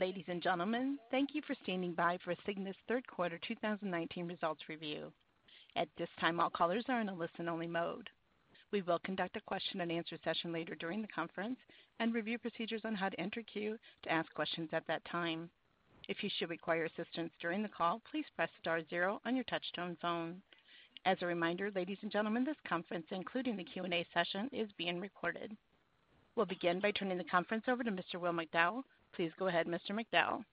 Ladies and gentlemen, thank you for standing by for Cigna's third quarter 2019 results review. At this time, all callers are in a listen-only mode. We will conduct a question and answer session later during the conference and review procedures on how to enter queue to ask questions at that time. If you should require assistance during the call, please press star zero on your touch-tone phone. As a reminder, ladies and gentlemen, this conference, including the Q&A session, is being recorded. We will begin by turning the conference over to Mr. William McDowell. Please go ahead, Mr. McDowell.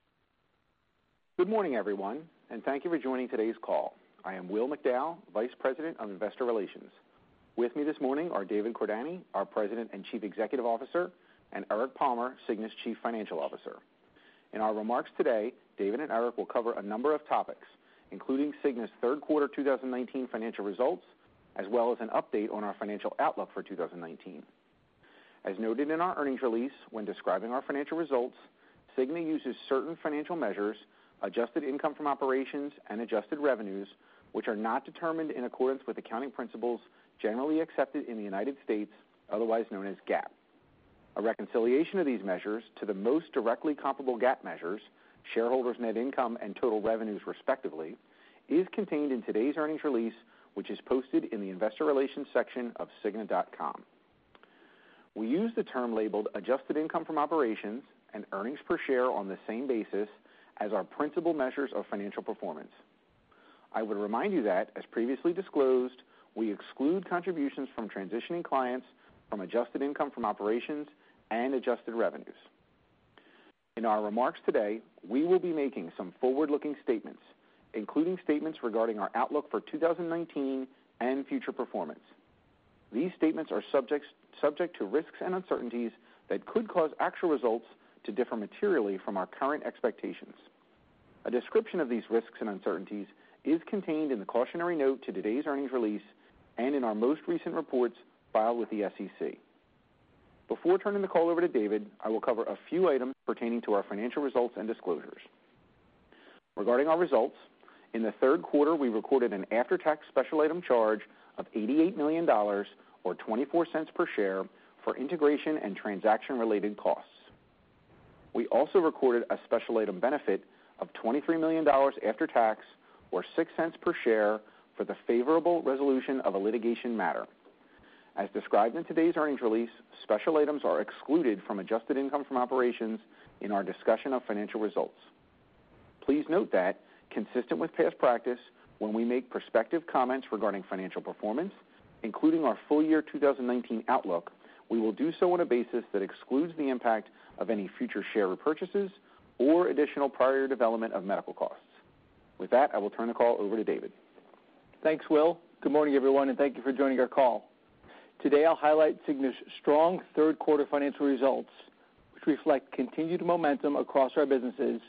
Good morning, everyone, and thank you for joining today's call. I am William McDowell, Vice President of Investor Relations. With me this morning are David Cordani, our President and Chief Executive Officer, and Eric Palmer, Cigna's Chief Financial Officer. In our remarks today, David and Eric will cover a number of topics, including Cigna's third quarter 2019 financial results, as well as an update on our financial outlook for 2019. As noted in our earnings release when describing our financial results, Cigna uses certain financial measures, adjusted income from operations and adjusted revenues, which are not determined in accordance with accounting principles generally accepted in the United States, otherwise known as GAAP. A reconciliation of these measures to the most directly comparable GAAP measures, shareholders net income and total revenues respectively, is contained in today's earnings release, which is posted in the investor relations section of cigna.com. We use the term labeled adjusted income from operations and earnings per share on the same basis as our principal measures of financial performance. I would remind you that, as previously disclosed, we exclude contributions from transitioning clients from adjusted income from operations and adjusted revenues. In our remarks today, we will be making some forward-looking statements, including statements regarding our outlook for 2019 and future performance. These statements are subject to risks and uncertainties that could cause actual results to differ materially from our current expectations. A description of these risks and uncertainties is contained in the cautionary note to today's earnings release and in our most recent reports filed with the SEC. Before turning the call over to David, I will cover a few items pertaining to our financial results and disclosures. Regarding our results, in the third quarter, we recorded an after-tax special item charge of $88 million, or $0.24 per share, for integration and transaction-related costs. We also recorded a special item benefit of $23 million after tax, or $0.06 per share, for the favorable resolution of a litigation matter. As described in today's earnings release, special items are excluded from adjusted income from operations in our discussion of financial results. Please note that, consistent with past practice, when we make prospective comments regarding financial performance, including our full-year 2019 outlook, we will do so on a basis that excludes the impact of any future share repurchases or additional prior year development of medical costs. With that, I will turn the call over to David. Thanks, Will. Good morning, everyone, and thank you for joining our call. Today, I'll highlight Cigna's strong third quarter financial results, which reflect continued momentum across our businesses,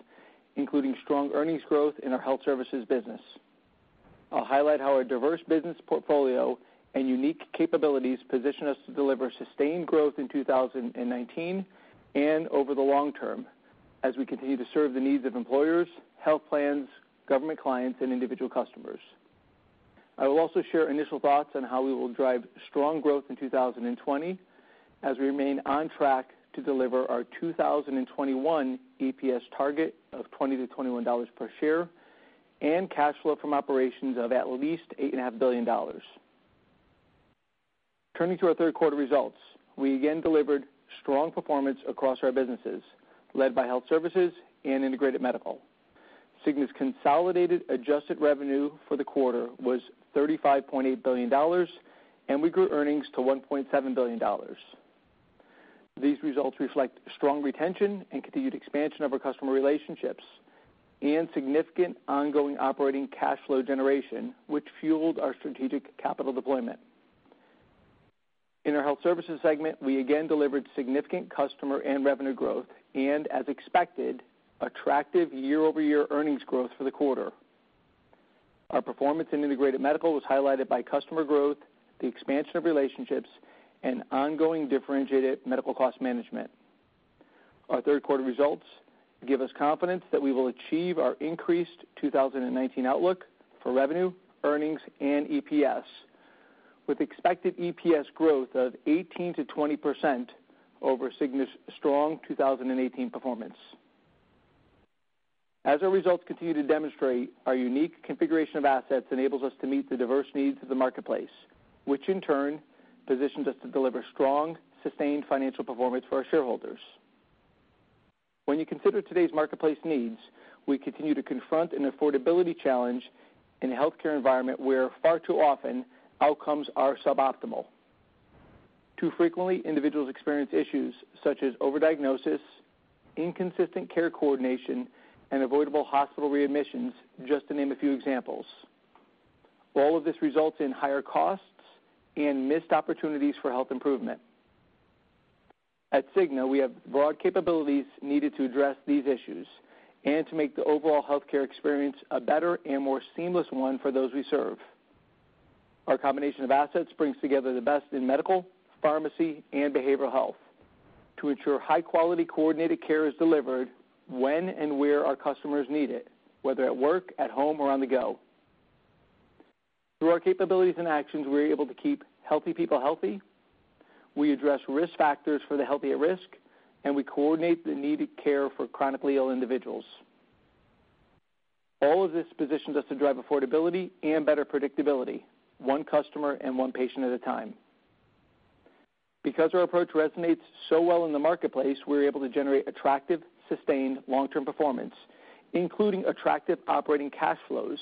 including strong earnings growth in our Health Services business. I'll highlight how our diverse business portfolio and unique capabilities position us to deliver sustained growth in 2019 and over the long term as we continue to serve the needs of employers, health plans, government clients, and individual customers. I will also share initial thoughts on how we will drive strong growth in 2020 as we remain on track to deliver our 2021 EPS target of $20-$21 per share and cash flow from operations of at least $8.5 billion. Turning to our third quarter results, we again delivered strong performance across our businesses, led by Health Services and Integrated Medical. Cigna's consolidated adjusted revenue for the quarter was $35.8 billion, and we grew earnings to $1.7 billion. These results reflect strong retention and continued expansion of our customer relationships and significant ongoing operating cash flow generation, which fueled our strategic capital deployment. In our health services segment, we again delivered significant customer and revenue growth and, as expected, attractive year-over-year earnings growth for the quarter. Our performance in integrated medical was highlighted by customer growth, the expansion of relationships, and ongoing differentiated medical cost management. Our third quarter results give us confidence that we will achieve our increased 2019 outlook for revenue, earnings, and EPS, with expected EPS growth of 18%-20% over Cigna's strong 2018 performance. As our results continue to demonstrate, our unique configuration of assets enables us to meet the diverse needs of the marketplace, which in turn positions us to deliver strong, sustained financial performance for our shareholders. When you consider today's marketplace needs, we continue to confront an affordability challenge in a healthcare environment where far too often outcomes are suboptimal. Too frequently, individuals experience issues such as overdiagnosis, inconsistent care coordination, and avoidable hospital readmissions, just to name a few examples. All of this results in higher costs and missed opportunities for health improvement. At Cigna, we have broad capabilities needed to address these issues and to make the overall healthcare experience a better and more seamless one for those we serve. Our combination of assets brings together the best in medical, pharmacy, and behavioral health to ensure high-quality coordinated care is delivered when and where our customers need it, whether at work, at home, or on the go. Through our capabilities and actions, we are able to keep healthy people healthy. We address risk factors for the healthy at risk, and we coordinate the needed care for chronically ill individuals. All of this positions us to drive affordability and better predictability, one customer and one patient at a time. Because our approach resonates so well in the marketplace, we're able to generate attractive, sustained long-term performance, including attractive operating cash flows.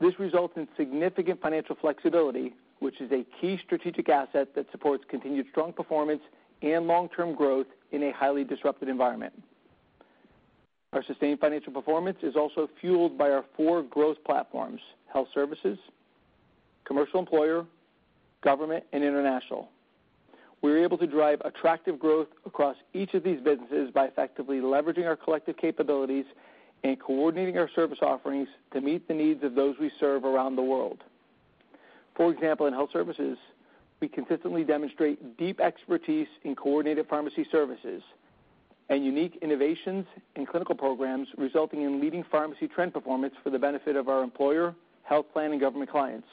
This results in significant financial flexibility, which is a key strategic asset that supports continued strong performance and long-term growth in a highly disrupted environment. Our sustained financial performance is also fueled by our four growth platforms, Health Services, Commercial Employer, Government, and International. We are able to drive attractive growth across each of these businesses by effectively leveraging our collective capabilities and coordinating our service offerings to meet the needs of those we serve around the world. For example, in Health Services, we consistently demonstrate deep expertise in coordinated pharmacy services and unique innovations in clinical programs, resulting in leading pharmacy trend performance for the benefit of our employer, health plan, and government clients.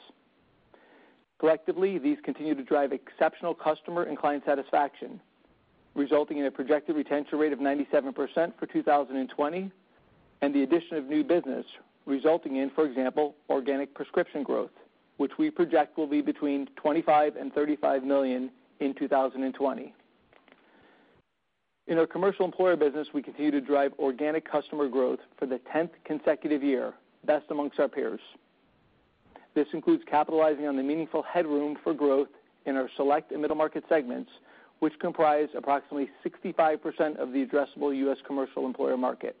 Collectively, these continue to drive exceptional customer and client satisfaction, resulting in a projected retention rate of 97% for 2020, and the addition of new business resulting in, for example, organic prescription growth, which we project will be between $25 million and $35 million in 2020. In our commercial employer business, we continue to drive organic customer growth for the 10th consecutive year, best amongst our peers. This includes capitalizing on the meaningful headroom for growth in our select and middle market segments, which comprise approximately 65% of the addressable U.S. commercial employer market.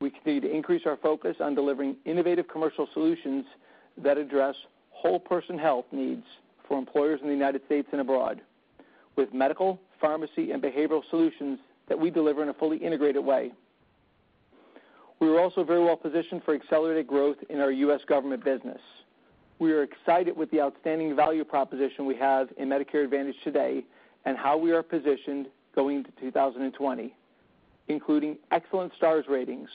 We continue to increase our focus on delivering innovative commercial solutions that address whole person health needs for employers in the United States and abroad with medical, pharmacy, and behavioral solutions that we deliver in a fully integrated way. We are also very well positioned for accelerated growth in our U.S. government business. We are excited with the outstanding value proposition we have in Medicare Advantage today and how we are positioned going into 2020, including excellent stars ratings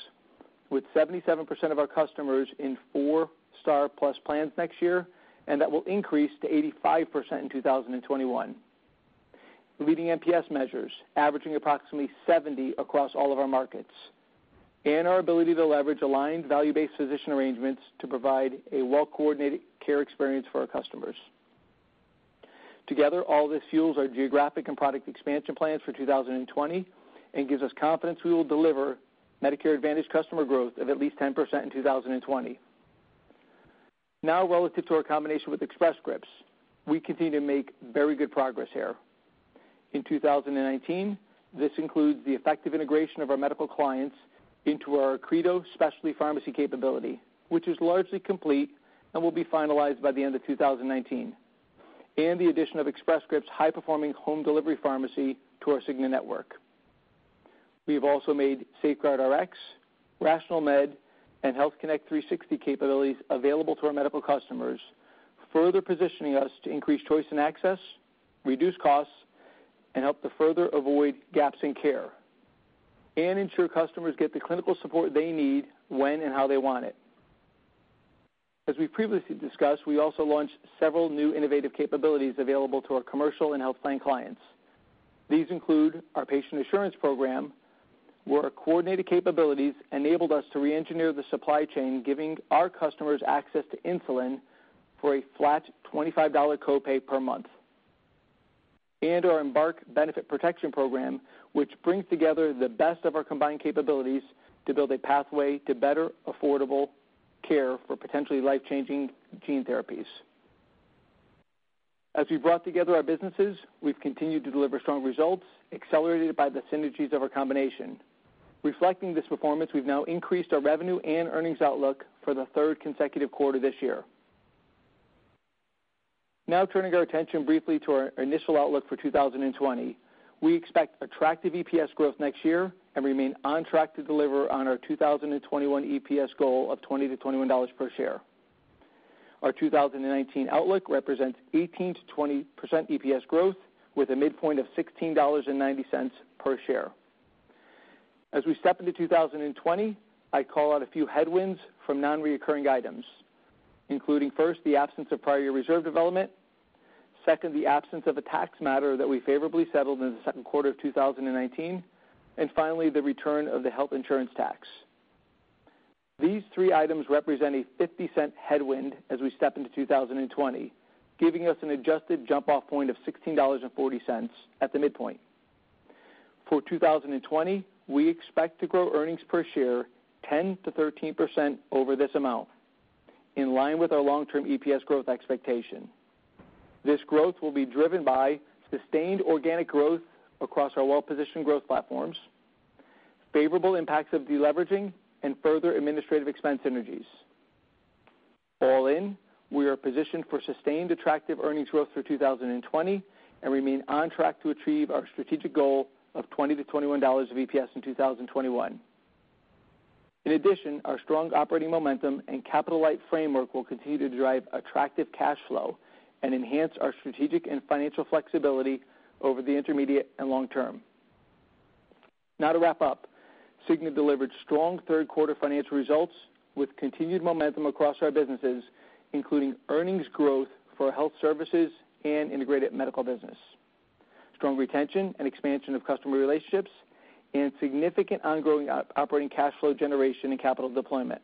with 77% of our customers in 4-star plus plans next year, and that will increase to 85% in 2021. Leading NPS measures averaging approximately 70 across all of our markets, and our ability to leverage aligned value-based physician arrangements to provide a well-coordinated care experience for our customers. Together, all this fuels our geographic and product expansion plans for 2020 and gives us confidence we will deliver Medicare Advantage customer growth of at least 10% in 2020. Now, relative to our combination with Express Scripts, we continue to make very good progress here. In 2019, this includes the effective integration of our medical clients into our Accredo specialty pharmacy capability, which is largely complete and will be finalized by the end of 2019. The addition of Express Scripts' high-performing home delivery pharmacy to our Cigna network. We have also made SafeguardRx, RationalMed, and HealthConnect 360 capabilities available to our medical customers, further positioning us to increase choice and access, reduce costs, and help to further avoid gaps in care, and ensure customers get the clinical support they need when and how they want it. As we previously discussed, we also launched several new innovative capabilities available to our commercial and health plan clients. These include our Patient Assurance Program, where our coordinated capabilities enabled us to re-engineer the supply chain, giving our customers access to insulin for a flat $25 copay per month. Our Embark Benefit Protection Program, which brings together the best of our combined capabilities to build a pathway to better, affordable care for potentially life-changing gene therapies. As we've brought together our businesses, we've continued to deliver strong results, accelerated by the synergies of our combination. Reflecting this performance, we've now increased our revenue and earnings outlook for the third consecutive quarter this year. Turning our attention briefly to our initial outlook for 2020. We expect attractive EPS growth next year and remain on track to deliver on our 2021 EPS goal of $20-$21 per share. Our 2019 outlook represents 18%-20% EPS growth with a midpoint of $16.90 per share. As we step into 2020, I call out a few headwinds from non-reoccurring items, including, first, the absence of prior year reserve development. Second, the absence of a tax matter that we favorably settled in the second quarter of 2019. Finally, the return of the health insurance tax. These three items represent a $0.50 headwind as we step into 2020, giving us an adjusted jump-off point of $16.40 at the midpoint. For 2020, we expect to grow earnings per share 10% to 13% over this amount, in line with our long-term EPS growth expectation. This growth will be driven by sustained organic growth across our well-positioned growth platforms, favorable impacts of deleveraging, and further administrative expense synergies. All in, we are positioned for sustained attractive earnings growth through 2020 and remain on track to achieve our strategic goal of $20 to $21 of EPS in 2021. In addition, our strong operating momentum and capital-light framework will continue to drive attractive cash flow and enhance our strategic and financial flexibility over the intermediate and long term. Now to wrap up, Cigna delivered strong third quarter financial results with continued momentum across our businesses, including earnings growth for Health Services and Integrated Medical Business, strong retention and expansion of customer relationships, and significant ongoing operating cash flow generation and capital deployment.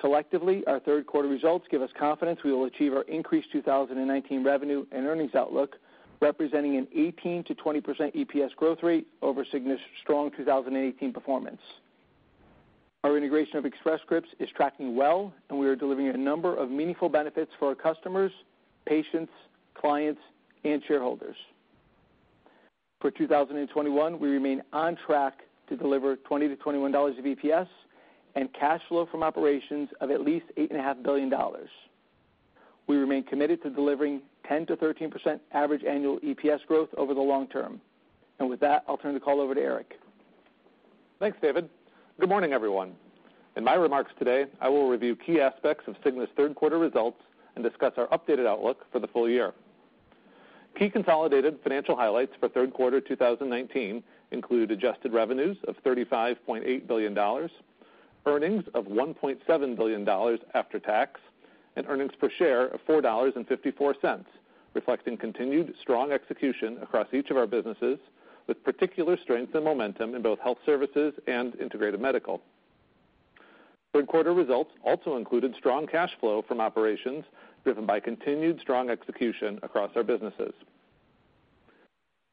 Collectively, our third quarter results give us confidence we will achieve our increased 2019 revenue and earnings outlook, representing an 18%-20% EPS growth rate over Cigna's strong 2018 performance. Our integration of Express Scripts is tracking well, and we are delivering a number of meaningful benefits for our customers, patients, clients, and shareholders. For 2021, we remain on track to deliver $20-$21 of EPS and cash flow from operations of at least $8.5 billion. We remain committed to delivering 10%-13% average annual EPS growth over the long term. With that, I'll turn the call over to Eric. Thanks, David. Good morning, everyone. In my remarks today, I will review key aspects of Cigna's third quarter results and discuss our updated outlook for the full year. Key consolidated financial highlights for third quarter 2019 include adjusted revenues of $35.8 billion, earnings of $1.7 billion after tax, and earnings per share of $4.54, reflecting continued strong execution across each of our businesses, with particular strength and momentum in both Health Services and Integrated Medical. Third quarter results also included strong cash flow from operations, driven by continued strong execution across our businesses.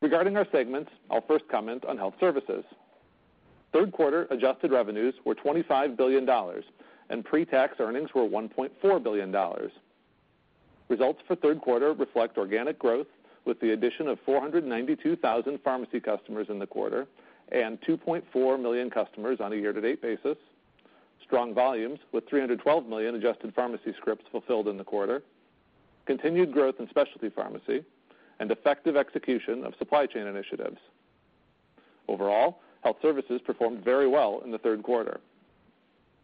Regarding our segments, I'll first comment on Health Services. Third quarter adjusted revenues were $25 billion, and pre-tax earnings were $1.4 billion. Results for third quarter reflect organic growth with the addition of 492,000 pharmacy customers in the quarter and 2.4 million customers on a year-to-date basis, strong volumes with 312 million adjusted pharmacy scripts fulfilled in the quarter, continued growth in specialty pharmacy, and effective execution of supply chain initiatives. Overall, health services performed very well in the third quarter.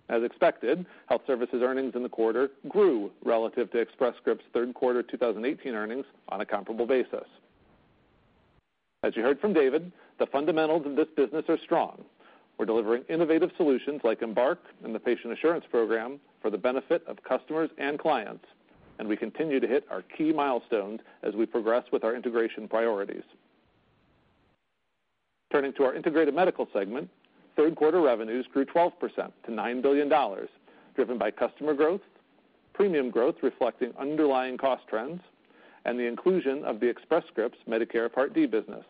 As expected, health services earnings in the quarter grew relative to Express Scripts' third quarter 2018 earnings on a comparable basis. As you heard from David, the fundamentals of this business are strong. We're delivering innovative solutions like Embark and the Patient Assurance Program for the benefit of customers and clients, and we continue to hit our key milestones as we progress with our integration priorities. Turning to our integrated medical segment, third quarter revenues grew 12% to $9 billion, driven by customer growth, premium growth reflecting underlying cost trends, and the inclusion of the Express Scripts Medicare Part D business.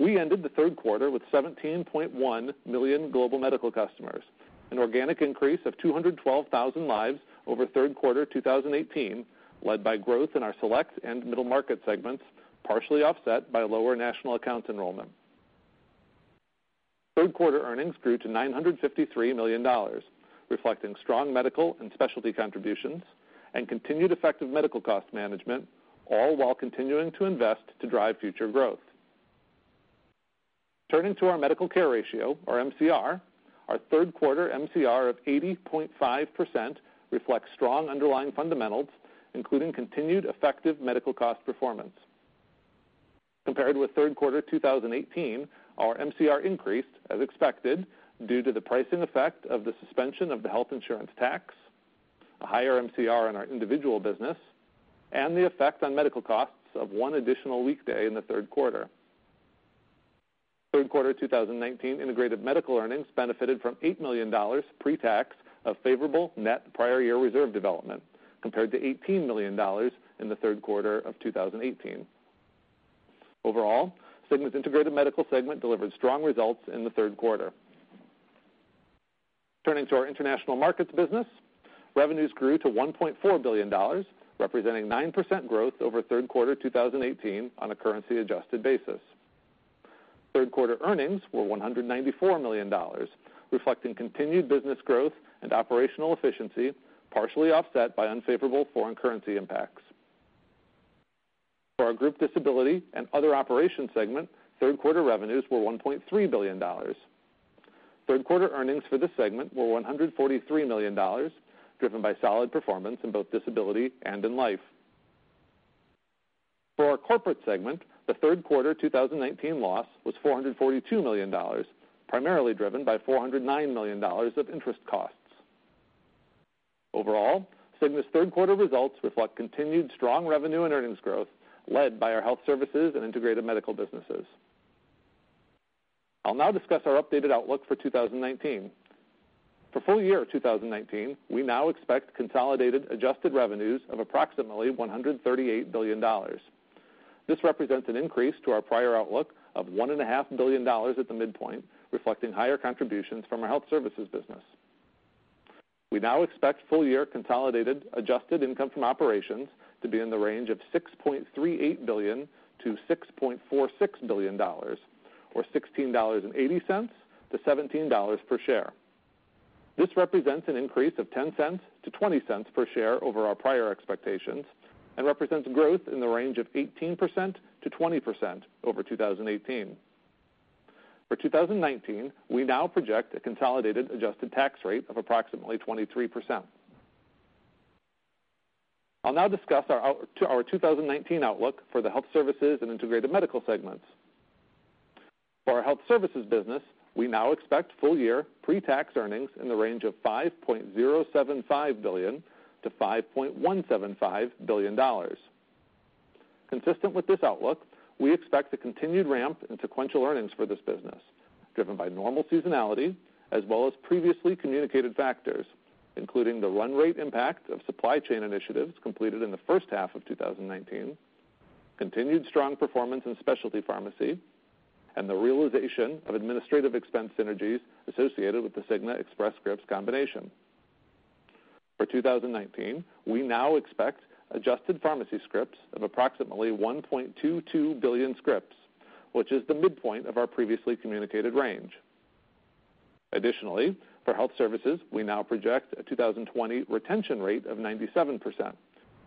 We ended the third quarter with 17.1 million global medical customers, an organic increase of 212,000 lives over third quarter 2018, led by growth in our select and middle market segments, partially offset by lower national account enrollment. Third quarter earnings grew to $953 million, reflecting strong medical and specialty contributions and continued effective medical cost management, all while continuing to invest to drive future growth. Turning to our medical care ratio or MCR, our third quarter MCR of 80.5% reflects strong underlying fundamentals, including continued effective medical cost performance. Compared with third quarter 2018, our MCR increased as expected due to the pricing effect of the suspension of the health insurance tax, a higher MCR in our individual business, and the effect on medical costs of one additional weekday in the third quarter. Third quarter 2019 integrated medical earnings benefited from $8 million pre-tax of favorable net prior year reserve development, compared to $18 million in the third quarter of 2018. Overall, Cigna's integrated medical segment delivered strong results in the third quarter. Turning to our international markets business, revenues grew to $1.4 billion, representing 9% growth over third quarter 2018 on a currency-adjusted basis. Third quarter earnings were $194 million, reflecting continued business growth and operational efficiency, partially offset by unfavorable foreign currency impacts. For our group disability and other operations segment, third quarter revenues were $1.3 billion. Third quarter earnings for this segment were $143 million, driven by solid performance in both disability and in life. For our corporate segment, the third quarter 2019 loss was $442 million, primarily driven by $409 million of interest costs. Overall, Cigna's third quarter results reflect continued strong revenue and earnings growth led by our health services and integrated medical businesses. I'll now discuss our updated outlook for 2019. For full year 2019, we now expect consolidated adjusted revenues of approximately $138 billion. This represents an increase to our prior outlook of $1.5 billion at the midpoint, reflecting higher contributions from our health services business. We now expect full year consolidated adjusted income from operations to be in the range of $6.38 billion-$6.46 billion, or $16.80-$17 per share. This represents an increase of $0.10 to $0.20 per share over our prior expectations and represents growth in the range of 18%-20% over 2018. For 2019, we now project a consolidated adjusted tax rate of approximately 23%. I'll now discuss our 2019 outlook for the health services and integrated medical segments. For our health services business, we now expect full year pre-tax earnings in the range of $5.075 billion-$5.175 billion. Consistent with this outlook, we expect a continued ramp in sequential earnings for this business, driven by normal seasonality as well as previously communicated factors, including the run rate impact of supply chain initiatives completed in the first half of 2019, continued strong performance in specialty pharmacy, and the realization of administrative expense synergies associated with the Cigna Express Scripts combination. For 2019, we now expect adjusted pharmacy scripts of approximately 1.22 billion scripts, which is the midpoint of our previously communicated range. For health services, we now project a 2020 retention rate of 97%,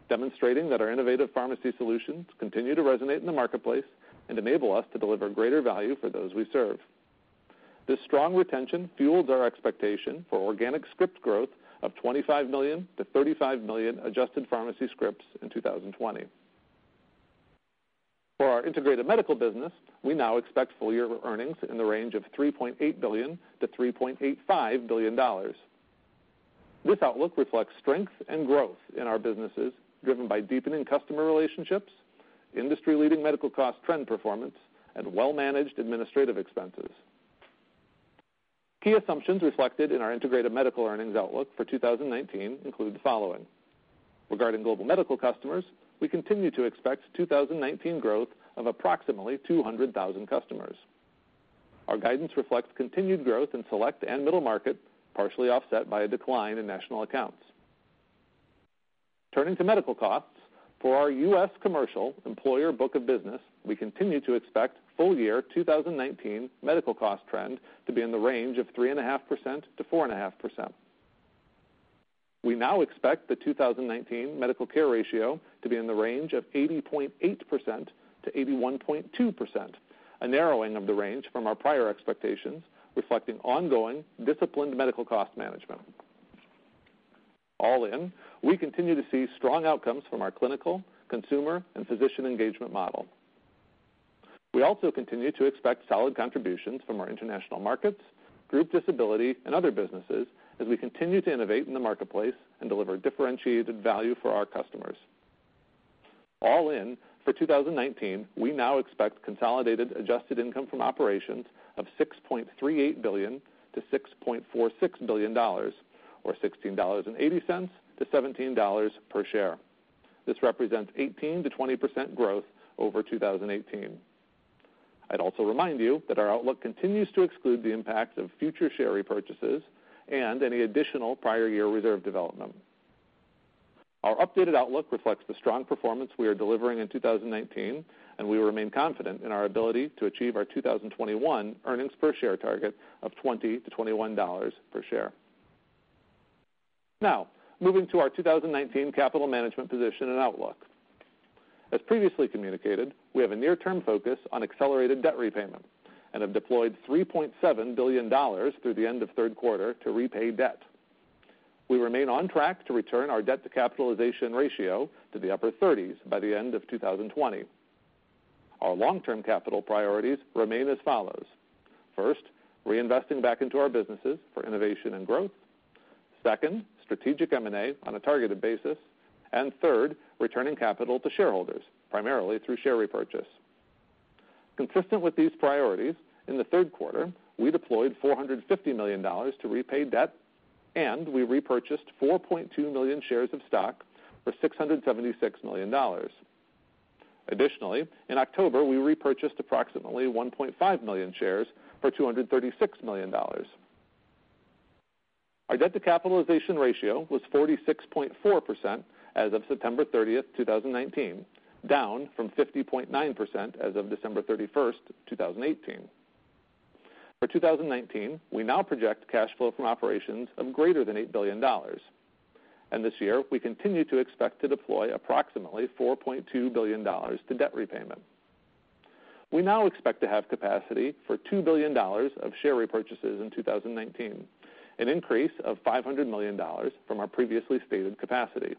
demonstrating that our innovative pharmacy solutions continue to resonate in the marketplace and enable us to deliver greater value for those we serve. This strong retention fuels our expectation for organic script growth of 25 million to 35 million adjusted pharmacy scripts in 2020. For our integrated medical business, we now expect full year earnings in the range of $3.8 billion-$3.85 billion. This outlook reflects strength and growth in our businesses, driven by deepening customer relationships, industry-leading medical cost trend performance, and well-managed administrative expenses. Key assumptions reflected in our integrated medical earnings outlook for 2019 include the following. Regarding global medical customers, we continue to expect 2019 growth of approximately 200,000 customers. Our guidance reflects continued growth in select and middle market, partially offset by a decline in national accounts. Turning to medical costs, for our U.S. commercial employer book of business, we continue to expect full year 2019 medical cost trend to be in the range of 3.5%-4.5%. We now expect the 2019 medical care ratio to be in the range of 80.8%-81.2%, a narrowing of the range from our prior expectations, reflecting ongoing disciplined medical cost management. All in, we continue to see strong outcomes from our clinical, consumer, and physician engagement model. We also continue to expect solid contributions from our international markets, group disability, and other businesses as we continue to innovate in the marketplace and deliver differentiated value for our customers. All in, for 2019, we now expect consolidated adjusted income from operations of $6.38 billion-$6.46 billion, or $16.80-$17 per share. This represents 18%-20% growth over 2018. I'd also remind you that our outlook continues to exclude the impacts of future share repurchases and any additional prior year reserve development. Our updated outlook reflects the strong performance we are delivering in 2019, and we remain confident in our ability to achieve our 2021 earnings per share target of $20-$21 per share. Now, moving to our 2019 capital management position and outlook. As previously communicated, we have a near-term focus on accelerated debt repayment and have deployed $3.7 billion through the end of third quarter to repay debt. We remain on track to return our debt to capitalization ratio to the upper 30s by the end of 2020. Our long-term capital priorities remain as follows. First, reinvesting back into our businesses for innovation and growth. Second, strategic M&A on a targeted basis. Third, returning capital to shareholders, primarily through share repurchase. Consistent with these priorities, in the third quarter, we deployed $450 million to repay debt, and we repurchased 4.2 million shares of stock for $676 million. Additionally, in October, we repurchased approximately 1.5 million shares for $236 million. Our debt to capitalization ratio was 46.4% as of September 30th, 2019, down from 50.9% as of December 31st, 2018. For 2019, we now project cash flow from operations of greater than $8 billion, and this year, we continue to expect to deploy approximately $4.2 billion to debt repayment. We now expect to have capacity for $2 billion of share repurchases in 2019, an increase of $500 million from our previously stated capacity.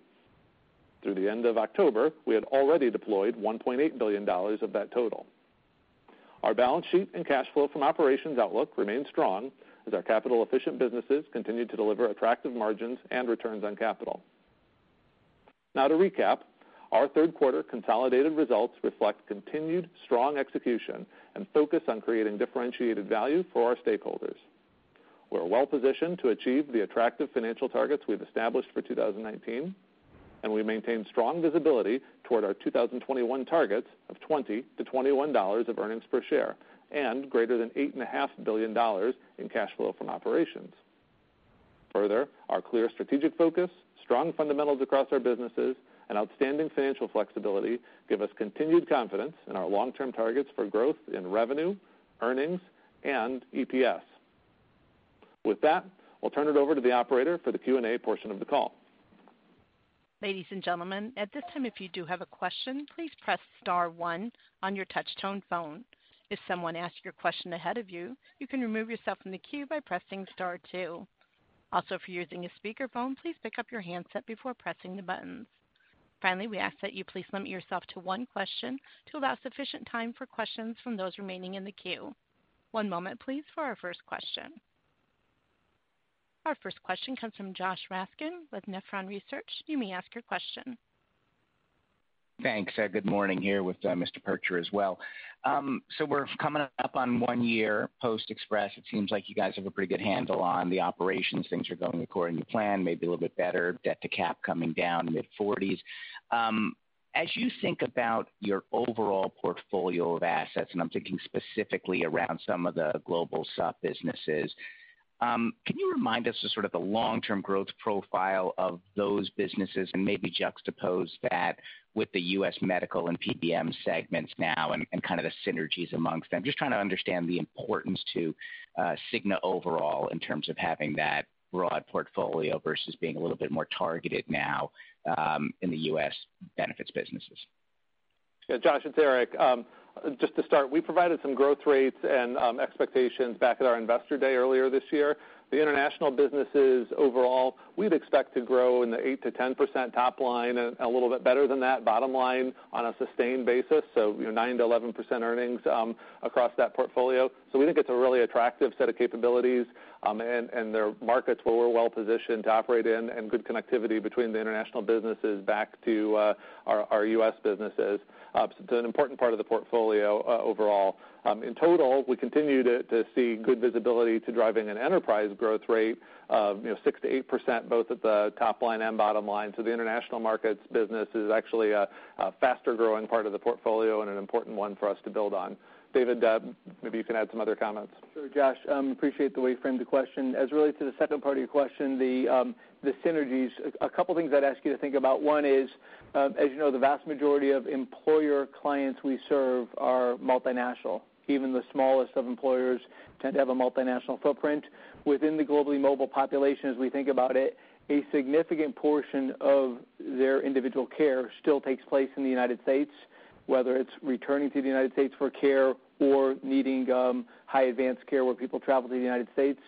Through the end of October, we had already deployed $1.8 billion of that total. Our balance sheet and cash flow from operations outlook remain strong as our capital-efficient businesses continue to deliver attractive margins and returns on capital. To recap, our third quarter consolidated results reflect continued strong execution and focus on creating differentiated value for our stakeholders. We're well-positioned to achieve the attractive financial targets we've established for 2019, and we maintain strong visibility toward our 2021 targets of $20-$21 of earnings per share and greater than $8.5 billion in cash flow from operations. Our clear strategic focus, strong fundamentals across our businesses, and outstanding financial flexibility give us continued confidence in our long-term targets for growth in revenue, earnings, and EPS. I'll turn it over to the operator for the Q&A portion of the call. Ladies and gentlemen, at this time, if you do have a question, please press *1 on your touch tone phone. If someone asks your question ahead of you can remove yourself from the queue by pressing *2. If you're using a speakerphone, please pick up your handset before pressing the buttons. We ask that you please limit yourself to one question to allow sufficient time for questions from those remaining in the queue. One moment please, for our first question. Our first question comes from Josh Raskin with Nephron Research. You may ask your question. Thanks. Good morning here with Mr. Percher as well. We're coming up on one year post Express. It seems like you guys have a pretty good handle on the operations. Things are going according to plan, maybe a little bit better, debt to cap coming down mid-40s. As you think about your overall portfolio of assets, and I'm thinking specifically around some of the global sup businesses, can you remind us of sort of the long-term growth profile of those businesses and maybe juxtapose that with the U.S. medical and PBM segments now and kind of the synergies amongst them? Just trying to understand the importance to Cigna overall in terms of having that broad portfolio versus being a little bit more targeted now in the U.S. benefits businesses. Yeah, Josh, it's Eric. Just to start, we provided some growth rates and expectations back at our Investor Day earlier this year. The international businesses overall, we'd expect to grow in the 8%-10% top line, a little bit better than that bottom line on a sustained basis, so 9%-11% earnings across that portfolio. We think it's a really attractive set of capabilities, and they're markets where we're well-positioned to operate in, and good connectivity between the international businesses back to our U.S. businesses. It's an important part of the portfolio overall. In total, we continue to see good visibility to driving an enterprise growth rate of 6%-8%, both at the top line and bottom line. The international markets business is actually a faster-growing part of the portfolio and an important one for us to build on. David, maybe you can add some other comments. Sure, Josh, appreciate the way you framed the question. As it relates to the second part of your question, the synergies, a couple things I'd ask you to think about. One is, as you know, the vast majority of employer clients we serve are multinational. Even the smallest of employers tend to have a multinational footprint. Within the globally mobile population, as we think about it, a significant portion of their individual care still takes place in the United States, whether it's returning to the United States for care or needing high advanced care where people travel to the United States.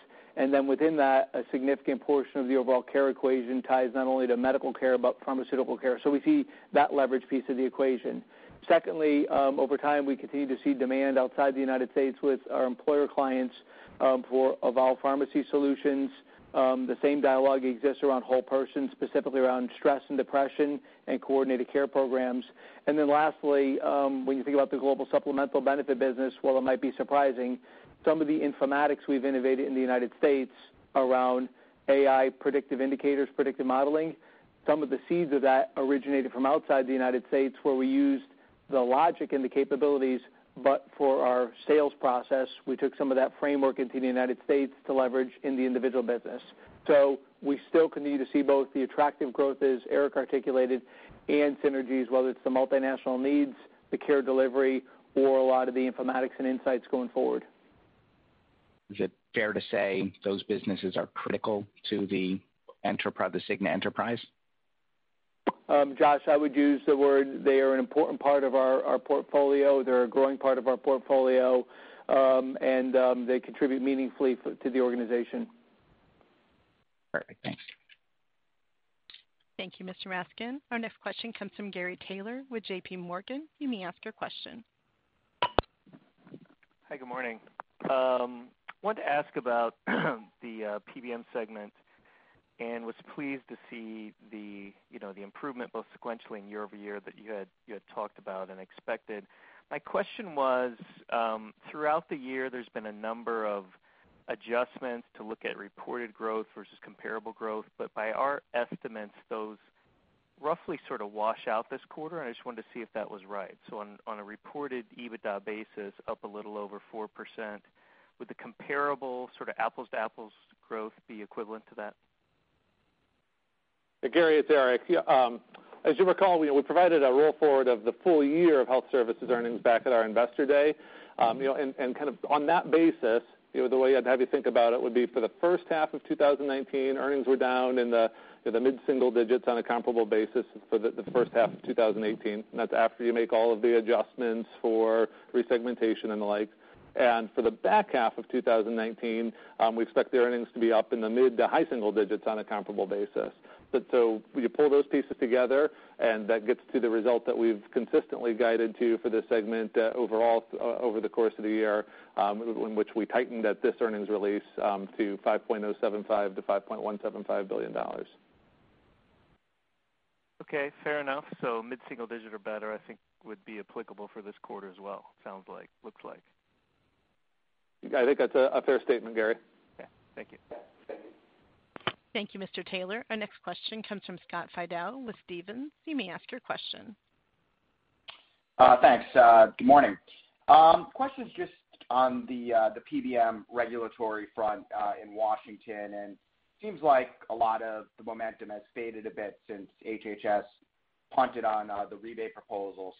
Within that, a significant portion of the overall care equation ties not only to medical care, but pharmaceutical care. We see that leverage piece of the equation. Over time, we continue to see demand outside the U.S. with our employer clients for Evolve Pharmacy Solutions. The same dialogue exists around whole persons, specifically around stress and depression and coordinated care programs. Lastly, when you think about the global supplemental benefit business, while it might be surprising, some of the informatics we've innovated in the U.S. around AI predictive indicators, predictive modeling, some of the seeds of that originated from outside the U.S., for our sales process, we took some of that framework into the U.S. to leverage in the individual business. We still continue to see both the attractive growth, as Eric articulated, and synergies, whether it's the multinational needs, the care delivery, or a lot of the informatics and insights going forward. Is it fair to say those businesses are critical to the Cigna enterprise? Josh, I would use the word they are an important part of our portfolio. They're a growing part of our portfolio, and they contribute meaningfully to the organization. Perfect. Thanks. Thank you, Mr. Raskin. Our next question comes from Gary Taylor with JPMorgan. You may ask your question. Hi, good morning. Wanted to ask about the PBM segment and was pleased to see the improvement both sequentially and year-over-year that you had talked about and expected. My question was, throughout the year, there's been a number of adjustments to look at reported growth versus comparable growth. By our estimates, those roughly sort of wash out this quarter, and I just wanted to see if that was right. On a reported EBITDA basis, up a little over 4%, would the comparable sort of apples to apples growth be equivalent to that? Gary, it's Eric. As you recall, we provided a roll-forward of the full year of health services earnings back at our Investor Day. Kind of on that basis, the way I'd have you think about it would be for the first half of 2019, earnings were down in the mid-single digits on a comparable basis for the first half of 2018, and that's after you make all of the adjustments for resegmentation and the like. For the back half of 2019, we expect the earnings to be up in the mid to high single digits on a comparable basis. When you pull those pieces together, and that gets to the result that we've consistently guided to for this segment overall over the course of the year, in which we tightened at this earnings release to $5.075 billion-$5.175 billion. Okay, fair enough. Mid-single digit or better, I think would be applicable for this quarter as well, it sounds like. Looks like. I think that's a fair statement, Gary. Okay. Thank you. Thank you, Mr. Taylor. Our next question comes from Scott Fidel with Stephens. You may ask your question. Thanks. Good morning. Question's just on the PBM regulatory front in Washington, and seems like a lot of the momentum has faded a bit since HHS punted on the rebate proposal.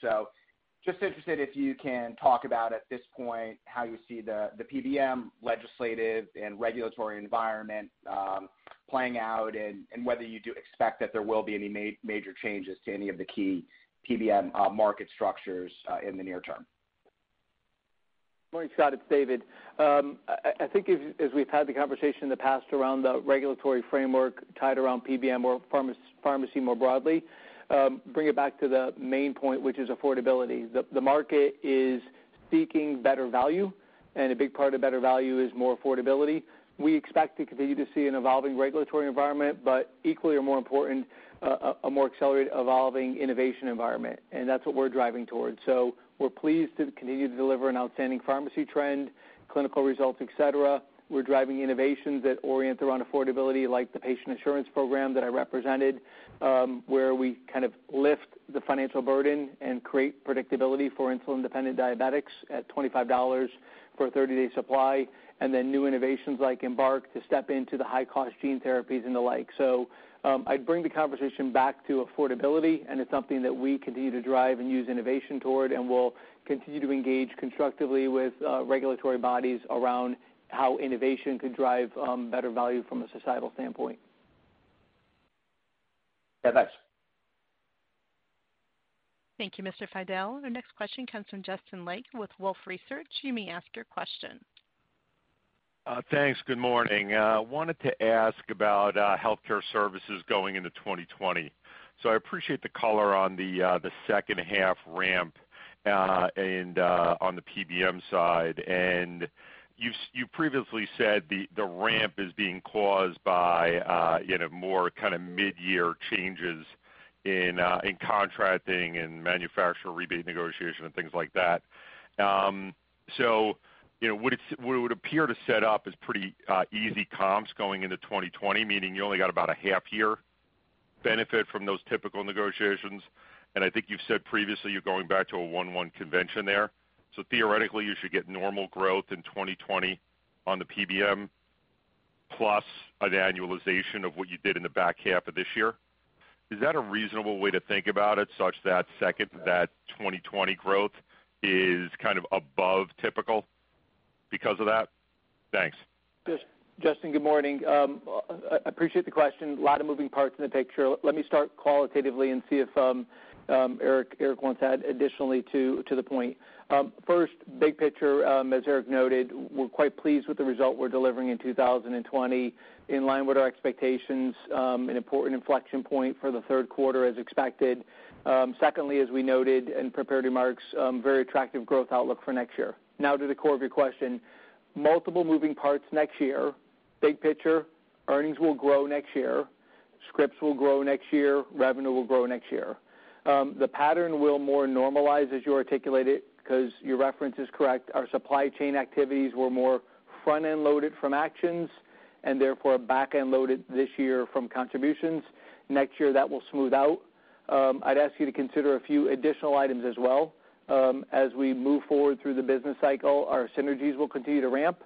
Just interested if you can talk about at this point how you see the PBM legislative and regulatory environment playing out and whether you do expect that there will be any major changes to any of the key PBM market structures in the near term. Morning, Scott. It's David. I think as we've had the conversation in the past around the regulatory framework tied around PBM or pharmacy more broadly, bring it back to the main point, which is affordability. The market is seeking better value, and a big part of better value is more affordability. We expect to continue to see an evolving regulatory environment, but equally or more important, a more accelerated evolving innovation environment, and that's what we're driving towards. We're pleased to continue to deliver an outstanding pharmacy trend, clinical results, et cetera. We're driving innovations that orient around affordability, like the Patient Assurance Program that I represented, where we kind of lift the financial burden and create predictability for insulin-dependent diabetics at $25 for a 30-day supply, and then new innovations like Embark to step into the high-cost gene therapies and the like. I'd bring the conversation back to affordability, and it's something that we continue to drive and use innovation toward, and we'll continue to engage constructively with regulatory bodies around how innovation could drive better value from a societal standpoint. Yeah, thanks. Thank you, Mr. Fidel. Our next question comes from Justin Lake with Wolfe Research. You may ask your question. Thanks. Good morning. I wanted to ask about healthcare services going into 2020. I appreciate the color on the second half ramp, and on the PBM side. You previously said the ramp is being caused by more mid-year changes in contracting and manufacturer rebate negotiation and things like that. What would appear to set up is pretty easy comps going into 2020, meaning you only got about a half year benefit from those typical negotiations. I think you've said previously you're going back to a 1-1 convention there. Theoretically, you should get normal growth in 2020 on the PBM, plus an annualization of what you did in the back half of this year. Is that a reasonable way to think about it, such that 2020 growth is kind of above typical because of that? Thanks. Justin, good morning. I appreciate the question. A lot of moving parts in the picture. Let me start qualitatively and see if Eric wants to add additionally to the point. First, big picture, as Eric noted, we're quite pleased with the result we're delivering in 2020, in line with our expectations, an important inflection point for the third quarter as expected. Secondly, as we noted in prepared remarks, very attractive growth outlook for next year. To the core of your question, multiple moving parts next year. Big picture, earnings will grow next year, scripts will grow next year, revenue will grow next year. The pattern will more normalize as you articulate it, because your reference is correct. Our supply chain activities were more front-end loaded from actions, and therefore back-end loaded this year from contributions. Next year, that will smooth out. I'd ask you to consider a few additional items as well. As we move forward through the business cycle, our synergies will continue to ramp.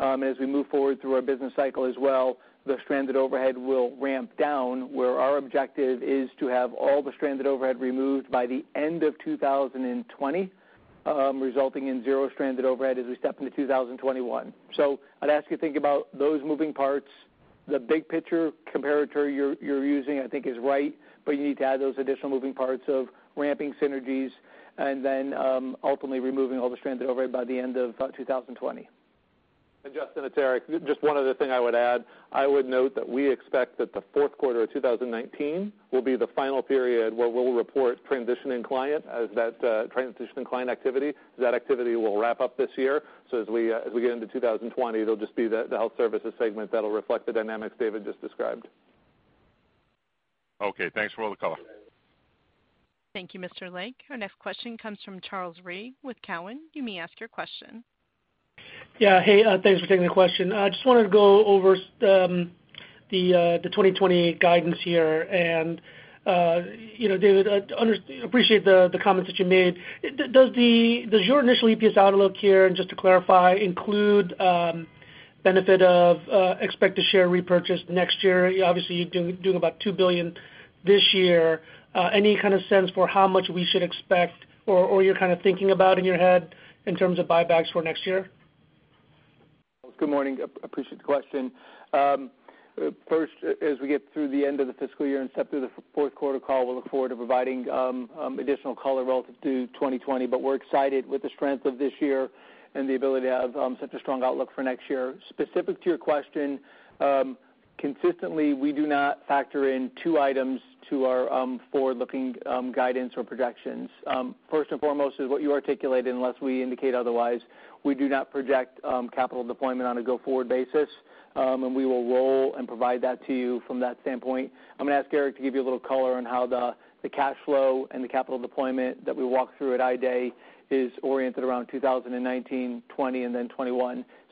As we move forward through our business cycle as well, the stranded overhead will ramp down, where our objective is to have all the stranded overhead removed by the end of 2020, resulting in zero stranded overhead as we step into 2021. I'd ask you to think about those moving parts. The big picture comparator you're using I think is right, but you need to add those additional moving parts of ramping synergies and then ultimately removing all the stranded overhead by the end of 2020. Justin, it's Eric. Just one other thing I would add. I would note that we expect that the fourth quarter of 2019 will be the final period where we'll report transitioning client as that transition client activity. That activity will wrap up this year. As we get into 2020, it'll just be the Health Services segment that'll reflect the dynamics David just described. Okay, thanks for all the color. Thank you, Mr. Lake. Our next question comes from Charles Rhyee with Cowen. You may ask your question. Yeah. Hey, thanks for taking the question. I just wanted to go over the 2020 guidance here. David, I appreciate the comments that you made. Does your initial EPS outlook here, and just to clarify, include benefit of expect to share repurchase next year? Obviously, you're doing about $2 billion this year. Any kind of sense for how much we should expect or you're kind of thinking about in your head in terms of buybacks for next year? Good morning. Appreciate the question. First, as we get through the end of the fiscal year and step through the fourth quarter call, we'll look forward to providing additional color relative to 2020. We're excited with the strength of this year and the ability to have such a strong outlook for next year. Specific to your question, consistently, we do not factor in two items to our forward-looking guidance or projections. First and foremost is what you articulated, unless we indicate otherwise, we do not project capital deployment on a go-forward basis, and we will roll and provide that to you from that standpoint. I'm going to ask Eric to give you a little color on how the cash flow and the capital deployment that we walked through at Investor Day is oriented around 2019, 2020, and then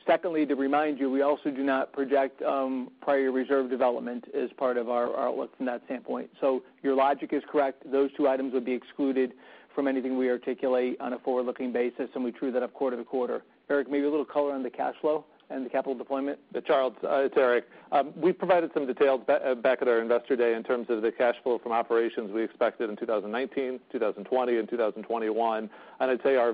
2021. To remind you, we also do not project prior reserve development as part of our outlook from that standpoint. Your logic is correct. Those two items would be excluded from anything we articulate on a forward-looking basis, and we true that up quarter-to-quarter. Eric, maybe a little color on the cash flow and the capital deployment? Charles, it's Eric. We provided some details back at our Investor Day in terms of the cash flow from operations we expected in 2019, 2020, and 2021. I'd say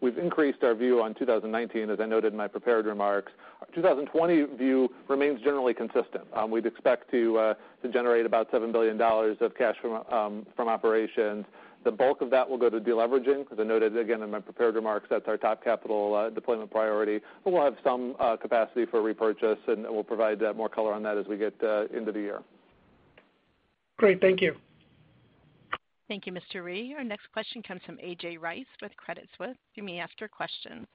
we've increased our view on 2019, as I noted in my prepared remarks. Our 2020 view remains generally consistent. We'd expect to generate about $7 billion of cash from operations. The bulk of that will go to de-leveraging, as I noted again in my prepared remarks. That's our top capital deployment priority. We'll have some capacity for repurchase, and we'll provide more color on that as we get into the year. Great. Thank you. Thank you, Mr. Rhyee. Our next question comes from A.J. Rice with Credit Suisse. You may ask your question.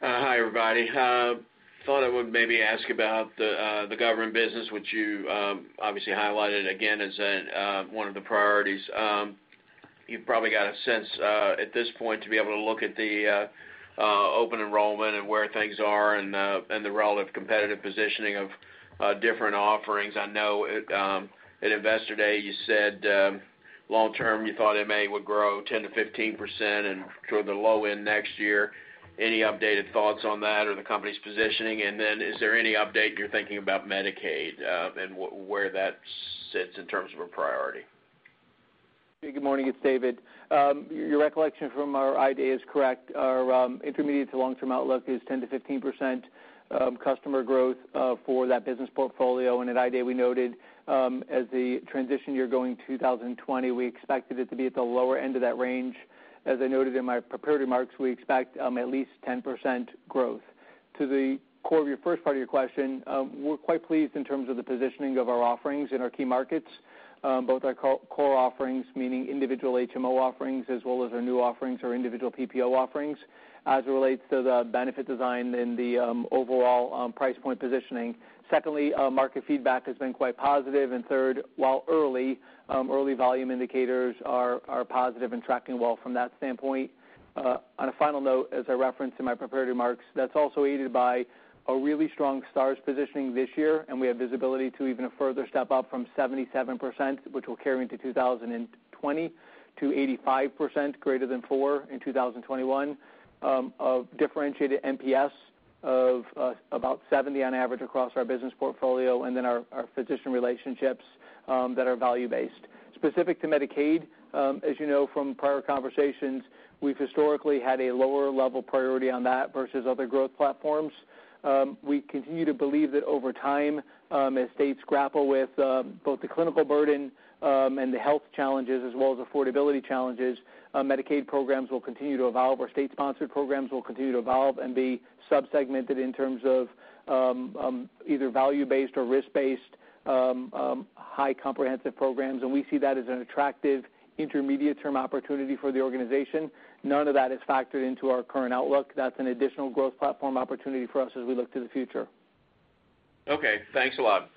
Hi, everybody. Thought I would maybe ask about the government business, which you obviously highlighted again as one of the priorities. You've probably got a sense at this point to be able to look at the open enrollment and where things are and the relative competitive positioning of different offerings. I know at Investor Day, you said long-term, you thought MA would grow 10%-15% and toward the low end next year. Any updated thoughts on that or the company's positioning? Is there any update you're thinking about Medicaid, and where that sits in terms of a priority? Good morning. It's David. Your recollection from our ID is correct. Our intermediate to long-term outlook is 10% to 15% customer growth for that business portfolio. At ID, we noted, as the transition year going 2020, we expected it to be at the lower end of that range. As I noted in my prepared remarks, we expect at least 10% growth. To the core of your first part of your question, we're quite pleased in terms of the positioning of our offerings in our key markets, both our core offerings, meaning individual HMO offerings, as well as our new offerings or individual PPO offerings, as it relates to the benefit design and the overall price point positioning. Secondly, market feedback has been quite positive, and third, while early volume indicators are positive and tracking well from that standpoint. On a final note, as I referenced in my prepared remarks, that's also aided by a really strong stars positioning this year, and we have visibility to even a further step up from 77%, which will carry into 2020 to 85% greater than 4 in 2021, of differentiated NPS of about 70% on average across our business portfolio, and then our physician relationships that are value-based. Specific to Medicaid, as you know from prior conversations, we've historically had a lower level priority on that versus other growth platforms. We continue to believe that over time, as states grapple with both the clinical burden and the health challenges as well as affordability challenges, Medicaid programs will continue to evolve, or state-sponsored programs will continue to evolve and be sub-segmented in terms of either value-based or risk-based high comprehensive programs. We see that as an attractive intermediate-term opportunity for the organization. None of that is factored into our current outlook. That's an additional growth platform opportunity for us as we look to the future. Okay, thanks a lot.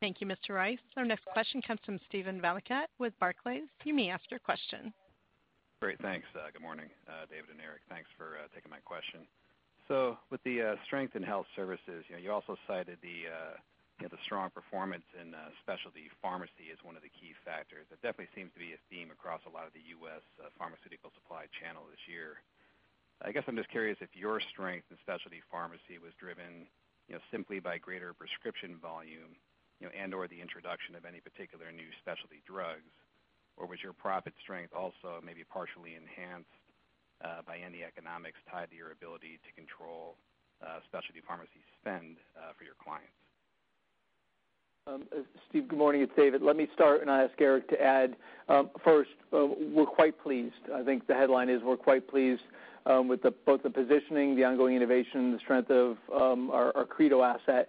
Thank you, Mr. Rice. Our next question comes from Steven Valiquette with Barclays. You may ask your question. Great. Thanks. Good morning, David and Eric. Thanks for taking my question. With the strength in health services, you also cited the strong performance in specialty pharmacy as one of the key factors. That definitely seems to be a theme across a lot of the U.S. pharmaceutical supply channel this year. I guess I'm just curious if your strength in specialty pharmacy was driven simply by greater prescription volume, and/or the introduction of any particular new specialty drugs, or was your profit strength also maybe partially enhanced by any economics tied to your ability to control specialty pharmacy spend for your clients? Steve, good morning. It's David. Let me start, and I ask Eric to add. First, we're quite pleased. I think the headline is we're quite pleased with both the positioning, the ongoing innovation, the strength of our Accredo asset.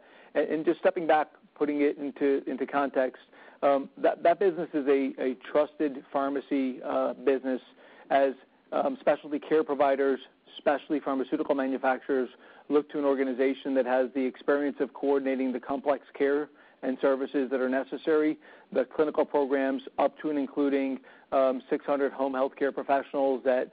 Just stepping back, putting it into context, that business is a trusted pharmacy business as specialty care providers, specialty pharmaceutical manufacturers look to an organization that has the experience of coordinating the complex care and services that are necessary, the clinical programs up to and including 600 home healthcare professionals that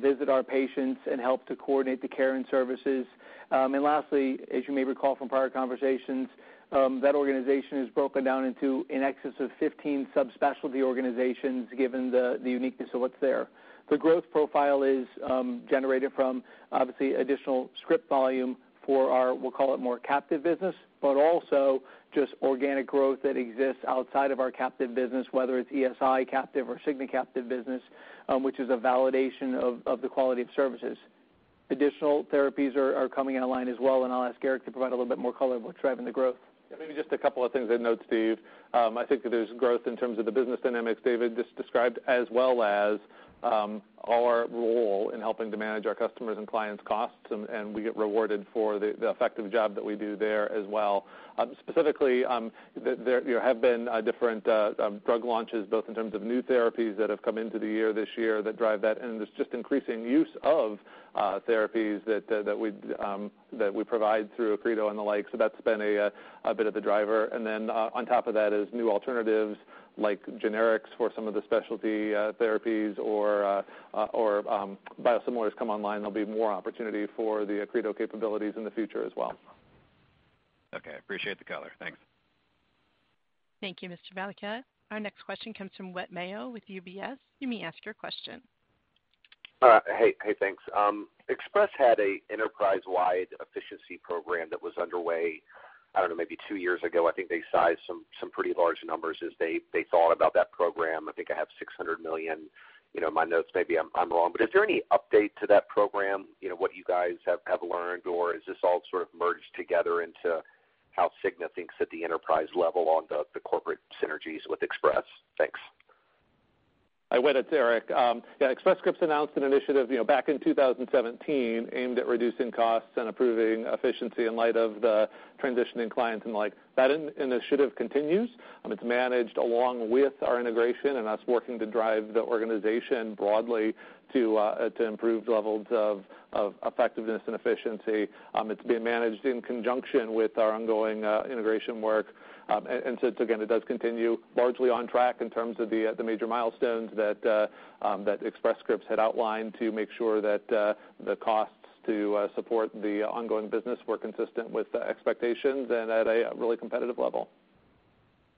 visit our patients and help to coordinate the care and services. Lastly, as you may recall from prior conversations, that organization is broken down into in excess of 15 subspecialty organizations, given the uniqueness of what's there. The growth profile is generated from, obviously, additional script volume for our, we'll call it more captive business, but also just organic growth that exists outside of our captive business, whether it's ESI captive or Cigna captive business, which is a validation of the quality of services. Additional therapies are coming in line as well, and I'll ask Eric to provide a little bit more color of what's driving the growth. Maybe just a couple of things I'd note, Steve. I think that there's growth in terms of the business dynamics David just described, as well as our role in helping to manage our customers' and clients' costs, and we get rewarded for the effective job that we do there as well. Specifically, there have been different drug launches, both in terms of new therapies that have come into the year this year that drive that, and there's just increasing use of therapies that we provide through Accredo and the like. That's been a bit of a driver. On top of that is new alternatives like generics for some of the specialty therapies or biosimilars come online. There'll be more opportunity for the Accredo capabilities in the future as well. Okay. Appreciate the color. Thanks. Thank you, Mr. Valiquette. Our next question comes from Whit Mayo with UBS. You may ask your question. Hey, thanks. Express had an enterprise-wide efficiency program that was underway, I don't know, maybe two years ago. I think they sized some pretty large numbers as they thought about that program. I think I have $600 million. My notes may be I'm wrong, Is there any update to that program, what you guys have learned, or is this all sort of merged together into how Cigna thinks at the enterprise level on the corporate synergies with Express? Thanks. It's Eric. Yeah, Express Scripts announced an initiative back in 2017 aimed at reducing costs and improving efficiency in light of the transitioning clients and the like. That initiative continues. It's managed along with our integration, that's working to drive the organization broadly to improved levels of effectiveness and efficiency. It's being managed in conjunction with our ongoing integration work. Again, it does continue largely on track in terms of the major milestones that Express Scripts had outlined to make sure that the costs to support the ongoing business were consistent with the expectations and at a really competitive level.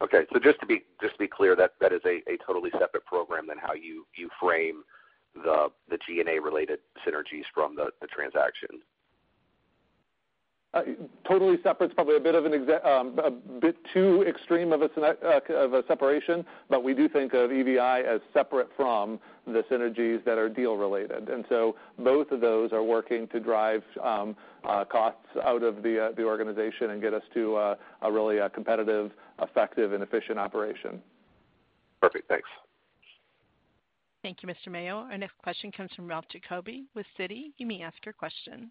Okay. Just to be clear, that is a totally separate program than how you frame the G&A-related synergies from the transaction. Totally separate is probably a bit too extreme of a separation, but we do think of EVI as separate from the synergies that are deal related. Both of those are working to drive costs out of the organization and get us to a really competitive, effective, and efficient operation. Perfect. Thanks. Thank you, Mr. Mayo. Our next question comes from Ralph Giacobbe with Citi. You may ask your question.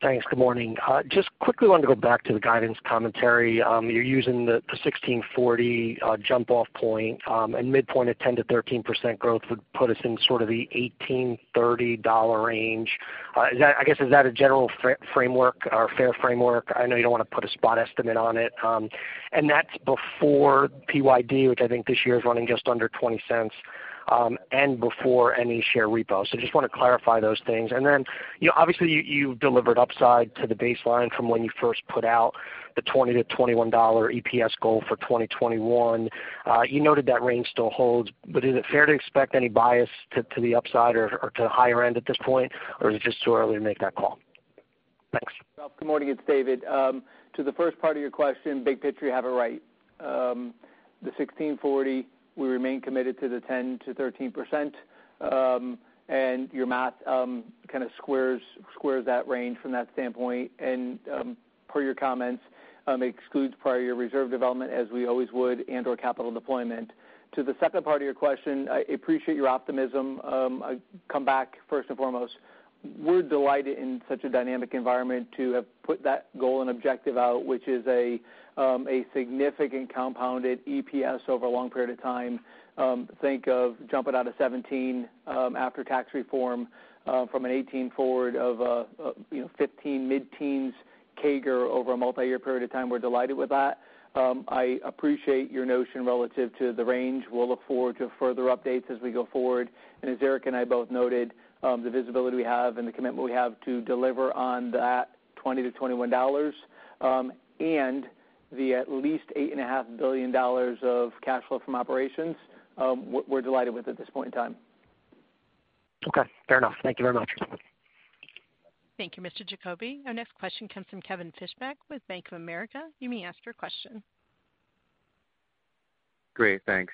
Thanks. Good morning. Just quickly wanted to go back to the guidance commentary. You're using the $16.40 jump-off point, and midpoint of 10%-13% growth would put us in sort of the $18.30 range. I guess is that a general framework or fair framework? I know you don't want to put a spot estimate on it. That's before PYD, which I think this year is running just under $0.20, and before any share repo. Just want to clarify those things. Obviously you've delivered upside to the baseline from when you first put out the $20-$21 EPS goal for 2021. You noted that range still holds. Is it fair to expect any bias to the upside or to the higher end at this point, or is it just too early to make that call? Thanks. Ralph, good morning. It's David. To the first part of your question, big picture, you have it right. The $16.40, we remain committed to the 10%-13%, and your math kind of squares that range from that standpoint, and per your comments, excludes prior reserve development as we always would, and/or capital deployment. To the second part of your question, I appreciate your optimism. I come back first and foremost, we're delighted in such a dynamic environment to have put that goal and objective out, which is a significant compounded EPS over a long period of time. Think of jumping out of 2017, after tax reform, from a 2018 forward of 15, mid-teens CAGR over a multi-year period of time. We're delighted with that. I appreciate your notion relative to the range. We'll look forward to further updates as we go forward. As Eric and I both noted, the visibility we have and the commitment we have to deliver on that $20-$21, and the at least $8.5 billion of cash flow from operations, we're delighted with at this point in time. Okay, fair enough. Thank you very much. Thank you, Mr. Giacobbe. Our next question comes from Kevin Fischbeck with Bank of America. You may ask your question. Great, thanks.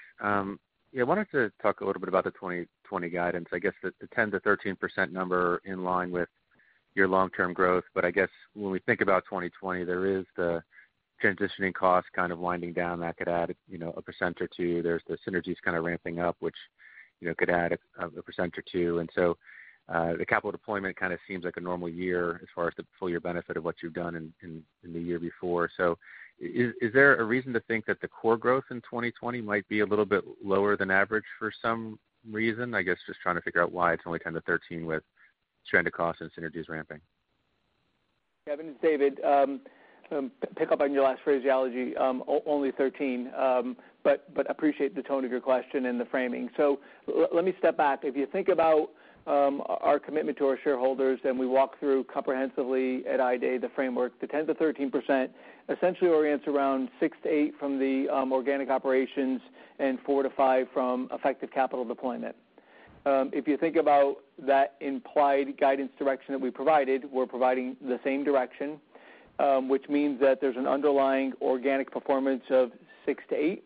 Yeah, wanted to talk a little bit about the 2020 guidance. I guess the 10%-13% number in line with your long-term growth, but I guess when we think about 2020, there is the transitioning costs kind of winding down, that could add a % or two. There's the synergies kind of ramping up, which could add a % or two. The capital deployment kind of seems like a normal year as far as the full year benefit of what you've done in the year before. Is there a reason to think that the core growth in 2020 might be a little bit lower than average for some reason? I guess just trying to figure out why it's only 10%-13% with trended costs and synergies ramping. Kevin, it's David. Appreciate the tone of your question and the framing. Let me step back. If you think about our commitment to our shareholders, we walk through comprehensively at Investor Day the framework. The 10%-13% essentially orients around 6-8 from the organic operations and 4-5 from effective capital deployment. If you think about that implied guidance direction that we provided, we're providing the same direction, which means that there's an underlying organic performance of 6-8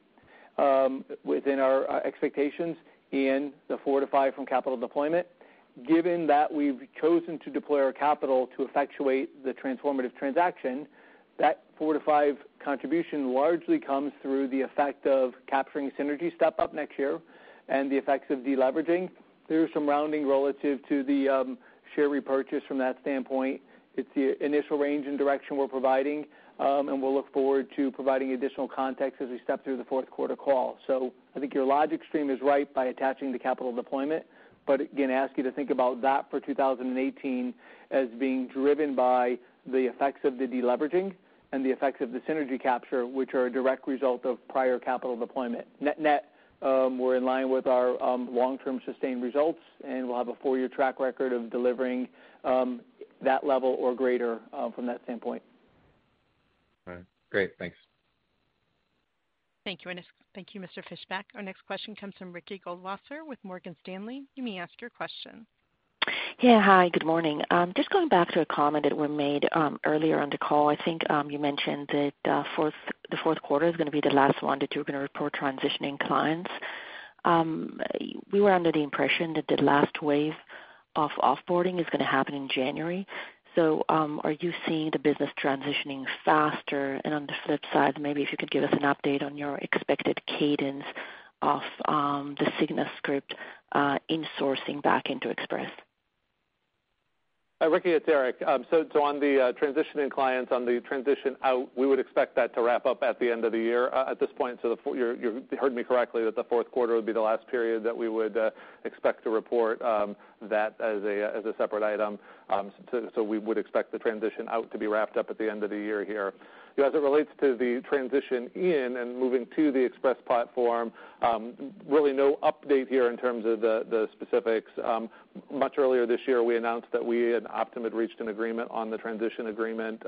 within our expectations and the 4-5 from capital deployment. Given that we've chosen to deploy our capital to effectuate the transformative transaction, that 4-5 contribution largely comes through the effect of capturing synergy step-up next year and the effects of de-leveraging. There is some rounding relative to the share repurchase from that standpoint. It's the initial range and direction we're providing, and we'll look forward to providing additional context as we step through the fourth quarter call. I think your logic stream is right by attaching the capital deployment, but again, ask you to think about that for 2018 as being driven by the effects of the de-leveraging and the effects of the synergy capture, which are a direct result of prior capital deployment. Net net, we're in line with our long-term sustained results, and we'll have a four-year track record of delivering that level or greater from that standpoint. All right. Great. Thanks. Thank you, Mr. Fischbeck. Our next question comes from Ricky Goldwasser with Morgan Stanley. You may ask your question. Yeah. Hi, good morning. Just going back to a comment that were made earlier on the call. I think you mentioned that the fourth quarter is going to be the last one that you're going to report transitioning clients. We were under the impression that the last wave of off-boarding is going to happen in January. Are you seeing the business transitioning faster? On the flip side, maybe if you could give us an update on your expected cadence of the Cigna script insourcing back into Express. Ricky, it's Eric. On the transitioning clients, on the transition out, we would expect that to wrap up at the end of the year at this point. You heard me correctly, that the fourth quarter would be the last period that we would expect to report that as a separate item. We would expect the transition out to be wrapped up at the end of the year here. As it relates to the transition in and moving to the Express platform, really no update here in terms of the specifics. Much earlier this year, we announced that we and Optum had reached an agreement on the transition agreement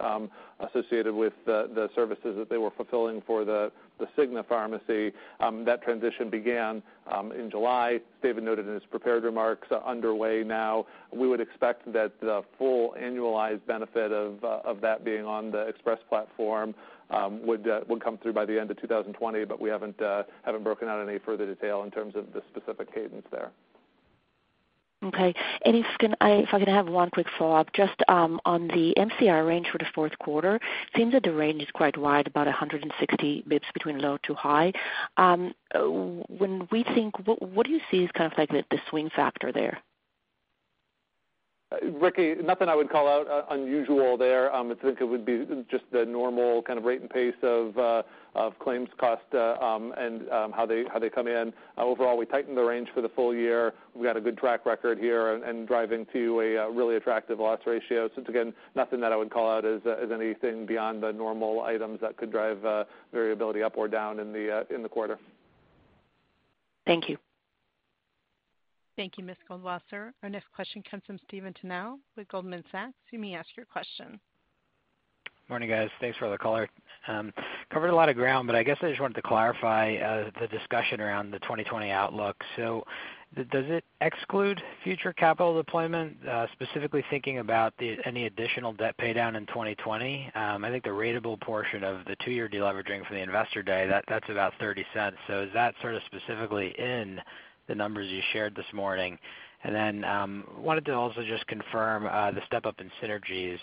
associated with the services that they were fulfilling for the Cigna pharmacy. That transition began in July. David noted in his prepared remarks, underway now. We would expect that the full annualized benefit of that being on the Express platform would come through by the end of 2020, but we haven't broken out any further detail in terms of the specific cadence there. Okay. If I can have one quick follow-up, just on the MCR range for the fourth quarter, it seems that the range is quite wide, about 160 basis points between low to high. What do you see as kind of like the swing factor there? Ricky, nothing I would call out unusual there. I think it would be just the normal kind of rate and pace of claims cost and how they come in. Overall, we tightened the range for the full year. We got a good track record here and driving to a really attractive loss ratio. Again, nothing that I would call out as anything beyond the normal items that could drive variability up or down in the quarter. Thank you. Thank you, Ms. Goldwasser. Our next question comes from Stephen Tanal with Goldman Sachs. You may ask your question. Morning, guys. Thanks for the color. Covered a lot of ground, I guess I just wanted to clarify the discussion around the 2020 outlook. Does it exclude future capital deployment, specifically thinking about any additional debt paydown in 2020? I think the ratable portion of the two-year deleveraging from the Investor Day, that's about $0.30. Is that sort of specifically in the numbers you shared this morning? Wanted to also just confirm the step-up in synergies.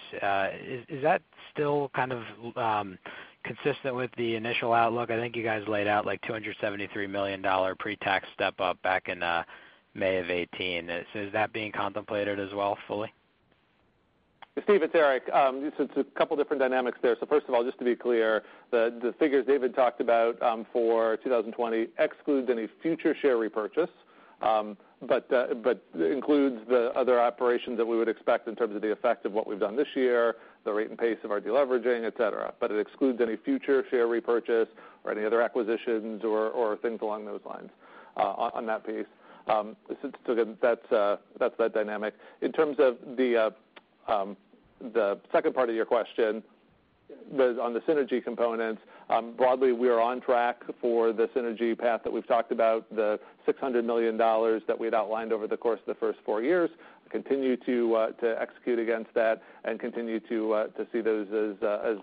Is that still kind of consistent with the initial outlook? I think you guys laid out like $273 million pre-tax step-up back in May of 2018. Is that being contemplated as well fully? Steve, it's Eric. It's a couple different dynamics there. First of all, just to be clear, the figures David talked about for 2020 excludes any future share repurchase, but includes the other operations that we would expect in terms of the effect of what we've done this year, the rate and pace of our deleveraging, et cetera. It excludes any future share repurchase or any other acquisitions or things along those lines on that piece. Again, that's that dynamic. In terms of the second part of your question, on the synergy components, broadly, we are on track for the synergy path that we've talked about, the $600 million that we had outlined over the course of the first four years. Continue to execute against that and continue to see those as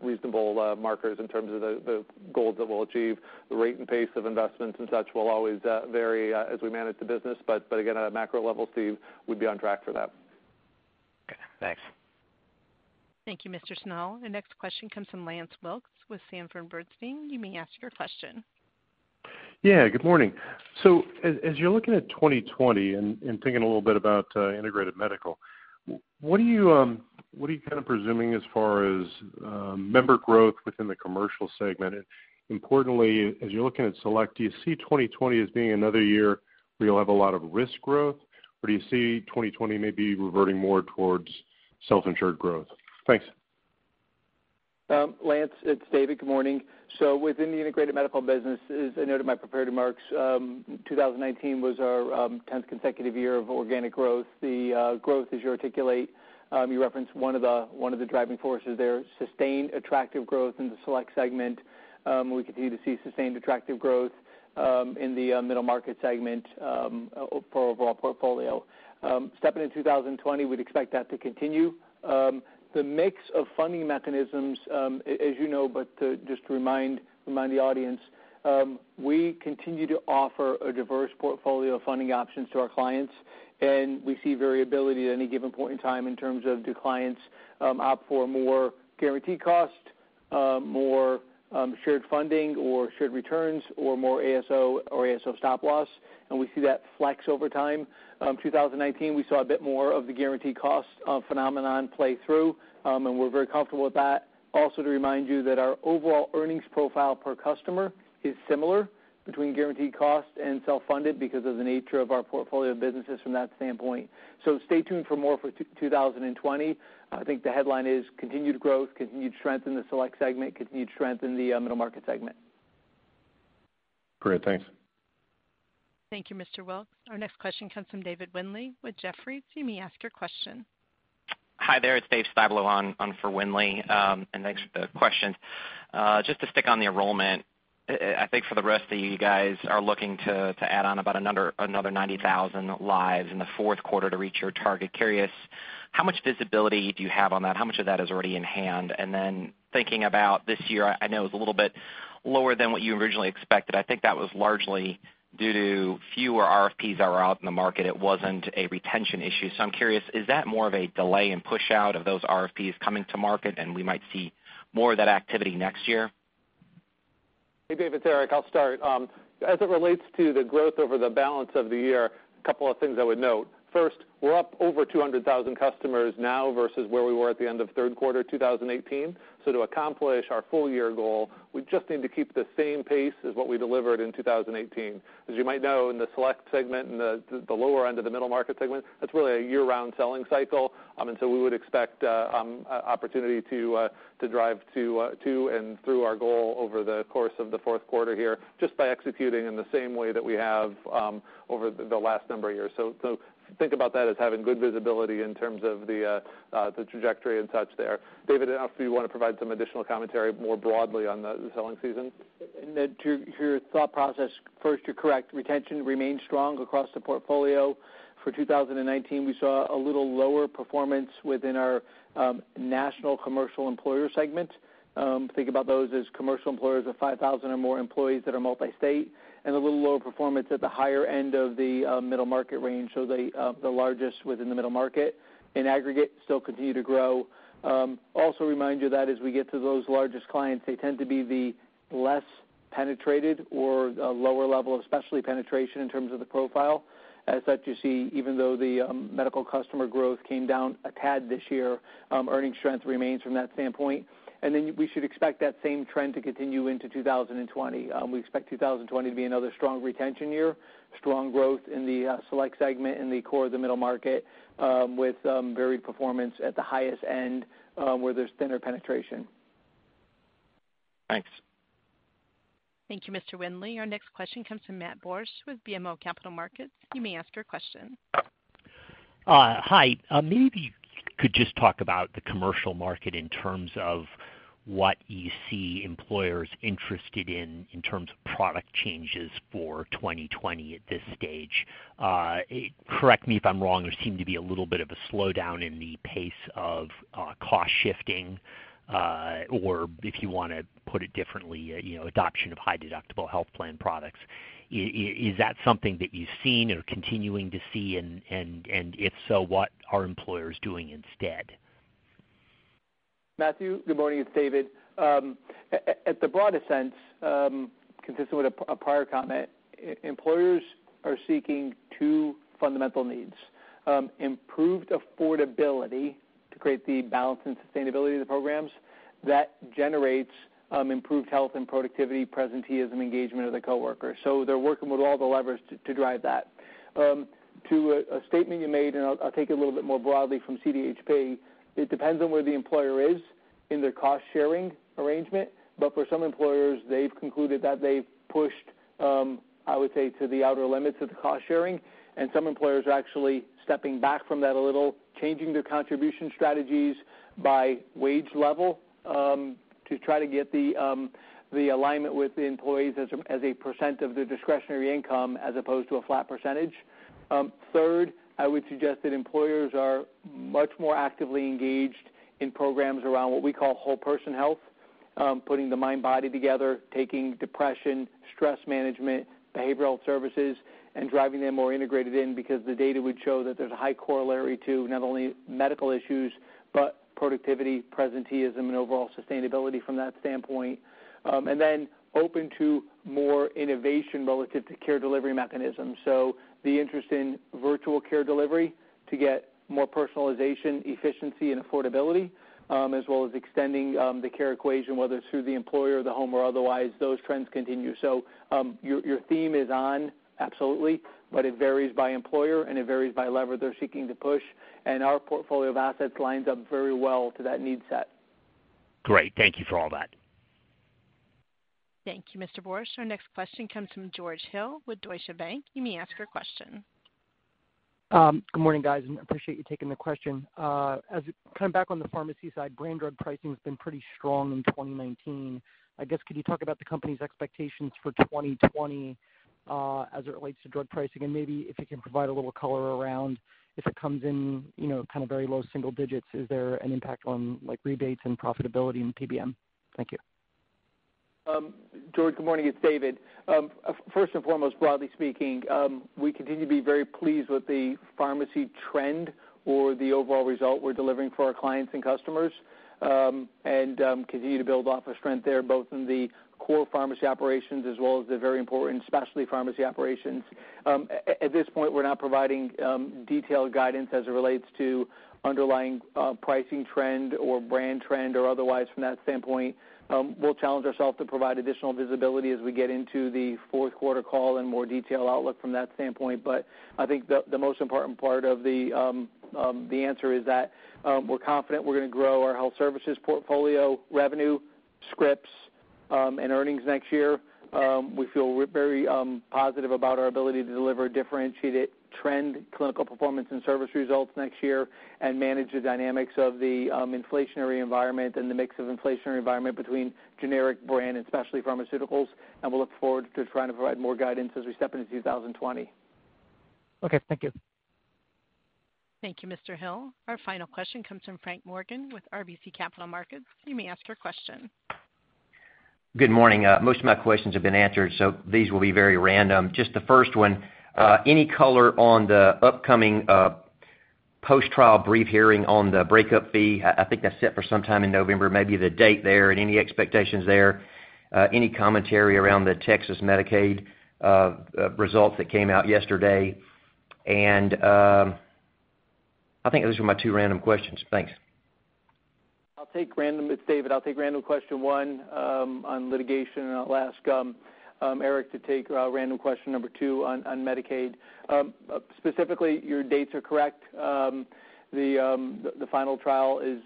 reasonable markers in terms of the goals that we'll achieve. The rate and pace of investments and such will always vary as we manage the business. Again, at a macro level, Steve, we'd be on track for that. Okay, thanks. Thank you, Mr. Tanal. The next question comes from Lance Wilkes with Sanford Bernstein. You may ask your question. Yeah, good morning. As you're looking at 2020 and thinking a little bit about Integrated Medical, what are you kind of presuming as far as member growth within the commercial segment? Importantly, as you're looking at Select, do you see 2020 as being another year where you'll have a lot of risk growth? Do you see 2020 maybe reverting more towards self-insured growth? Thanks. Lance, it's David. Good morning. Within the Integrated Medical business, as I noted in my prepared remarks, 2019 was our 10th consecutive year of organic growth. The growth, as you articulate, you referenced one of the driving forces there, sustained attractive growth in the Select Segment. We continue to see sustained attractive growth in the middle market segment for overall portfolio. Stepping into 2020, we'd expect that to continue. The mix of funding mechanisms, as you know, but just to remind the audience, we continue to offer a diverse portfolio of funding options to our clients, and we see variability at any given point in time in terms of do clients opt for more guaranteed cost, more shared funding or shared returns, or more ASO or ASO stop loss, and we see that flex over time. 2019, we saw a bit more of the guaranteed cost phenomenon play through, and we're very comfortable with that. Also to remind you that our overall earnings profile per customer is similar between guaranteed cost and self-funded because of the nature of our portfolio of businesses from that standpoint. Stay tuned for more for 2020. I think the headline is continued growth, continued strength in the Select segment, continued strength in the middle market segment. Great. Thanks. Thank you, Mr. Wilkes. Our next question comes from David Windley with Jefferies. You may ask your question. Hi there, it's Dave Styblo on for Windley. Thanks for the question. Just to stick on the enrollment, I think for the rest of you guys are looking to add on about another 90,000 lives in the fourth quarter to reach your target. Curious, how much visibility do you have on that? How much of that is already in hand? Then thinking about this year, I know it was a little bit lower than what you originally expected. I think that was largely due to fewer RFPs that were out in the market. It wasn't a retention issue. I'm curious, is that more of a delay and push-out of those RFPs coming to market, and we might see more of that activity next year? Hey, David. It's Eric. I'll start. As it relates to the growth over the balance of the year, a couple of things I would note. First, we're up over 200,000 customers now versus where we were at the end of third quarter 2018. To accomplish our full year goal, we just need to keep the same pace as what we delivered in 2018. As you might know, in the select segment, in the lower end of the middle market segment, that's really a year-round selling cycle. We would expect opportunity to drive to and through our goal over the course of the fourth quarter here, just by executing in the same way that we have over the last number of years. Think about that as having good visibility in terms of the trajectory and such there. David, I don't know if you want to provide some additional commentary more broadly on the selling season. To your thought process, first, you're correct. Retention remains strong across the portfolio. For 2019, we saw a little lower performance within our national commercial employer segment. Think about those as commercial employers of 5,000 or more employees that are multi-state, and a little lower performance at the higher end of the middle market range, so the largest within the middle market. In aggregate, still continue to grow. Remind you that as we get to those largest clients, they tend to be the less penetrated or lower level of specialty penetration in terms of the profile. As such, you see, even though the medical customer growth came down a tad this year, earning strength remains from that standpoint. We should expect that same trend to continue into 2020. We expect 2020 to be another strong retention year, strong growth in the select segment in the core of the middle market, with varied performance at the highest end, where there's thinner penetration. Thanks. Thank you, Mr. Windley. Our next question comes from Matthew Borsch with BMO Capital Markets. You may ask your question. Hi. Maybe you could just talk about the commercial market in terms of what you see employers interested in terms of product changes for 2020 at this stage. Correct me if I'm wrong, there seemed to be a little bit of a slowdown in the pace of cost shifting, or if you want to put it differently, adoption of high-deductible health plan products. Is that something that you've seen or continuing to see? If so, what are employers doing instead? Matthew, good morning. It's David. At the broadest sense, consistent with a prior comment, employers are seeking two fundamental needs: improved affordability to create the balance and sustainability of the programs. That generates improved health and productivity, presenteeism, engagement of the coworker. They're working with all the levers to drive that. To a statement you made, I'll take it a little bit more broadly from CDHP, it depends on where the employer is in their cost-sharing arrangement. For some employers, they've concluded that they've pushed, I would say, to the outer limits of the cost sharing, and some employers are actually stepping back from that a little, changing their contribution strategies by wage level to try to get the alignment with the employees as a % of their discretionary income, as opposed to a flat %. Third, I would suggest that employers are much more actively engaged in programs around what we call whole person health, putting the mind-body together, taking depression, stress management, behavioral health services, and driving them more integrated in because the data would show that there's a high corollary to not only medical issues, but productivity, presenteeism, and overall sustainability from that standpoint. Then open to more innovation relative to care delivery mechanisms. The interest in virtual care delivery to get more personalization, efficiency, and affordability, as well as extending the care equation, whether it's through the employer, the home, or otherwise, those trends continue. Your theme is on, absolutely, but it varies by employer, and it varies by lever they're seeking to push, and our portfolio of assets lines up very well to that need set. Great. Thank you for all that. Thank you, Mr. Borsch. Our next question comes from George Hill with Deutsche Bank. You may ask your question. Good morning, guys, and appreciate you taking the question. Coming back on the pharmacy side, brand drug pricing has been pretty strong in 2019. I guess, could you talk about the company's expectations for 2020 as it relates to drug pricing? Maybe if you can provide a little color around if it comes in very low single digits, is there an impact on rebates and profitability in PBM? Thank you. George, good morning. It's David. First and foremost, broadly speaking, we continue to be very pleased with the pharmacy trend or the overall result we're delivering for our clients and customers, and continue to build off of strength there, both in the core pharmacy operations as well as the very important specialty pharmacy operations. At this point, we're not providing detailed guidance as it relates to underlying pricing trend or brand trend or otherwise from that standpoint. We'll challenge ourselves to provide additional visibility as we get into the fourth quarter call and more detailed outlook from that standpoint. I think the most important part of the answer is that we're confident we're going to grow our health services portfolio revenue, scripts, and earnings next year. We feel very positive about our ability to deliver differentiated trend clinical performance and service results next year and manage the dynamics of the inflationary environment and the mix of inflationary environment between generic brand and specialty pharmaceuticals. We'll look forward to trying to provide more guidance as we step into 2020. Okay. Thank you. Thank you, Mr. Hill. Our final question comes from Frank Morgan with RBC Capital Markets. You may ask your question. Good morning. Most of my questions have been answered, so these will be very random. Just the first one, any color on the upcoming post-trial brief hearing on the breakup fee? I think that's set for some time in November. Maybe the date there and any expectations there. Any commentary around the Texas Medicaid results that came out yesterday? I think those are my two random questions. Thanks. It's David. I'll take random question one on litigation, and I'll ask Eric to take random question number two on Medicaid. Specifically, your dates are correct. The final trial is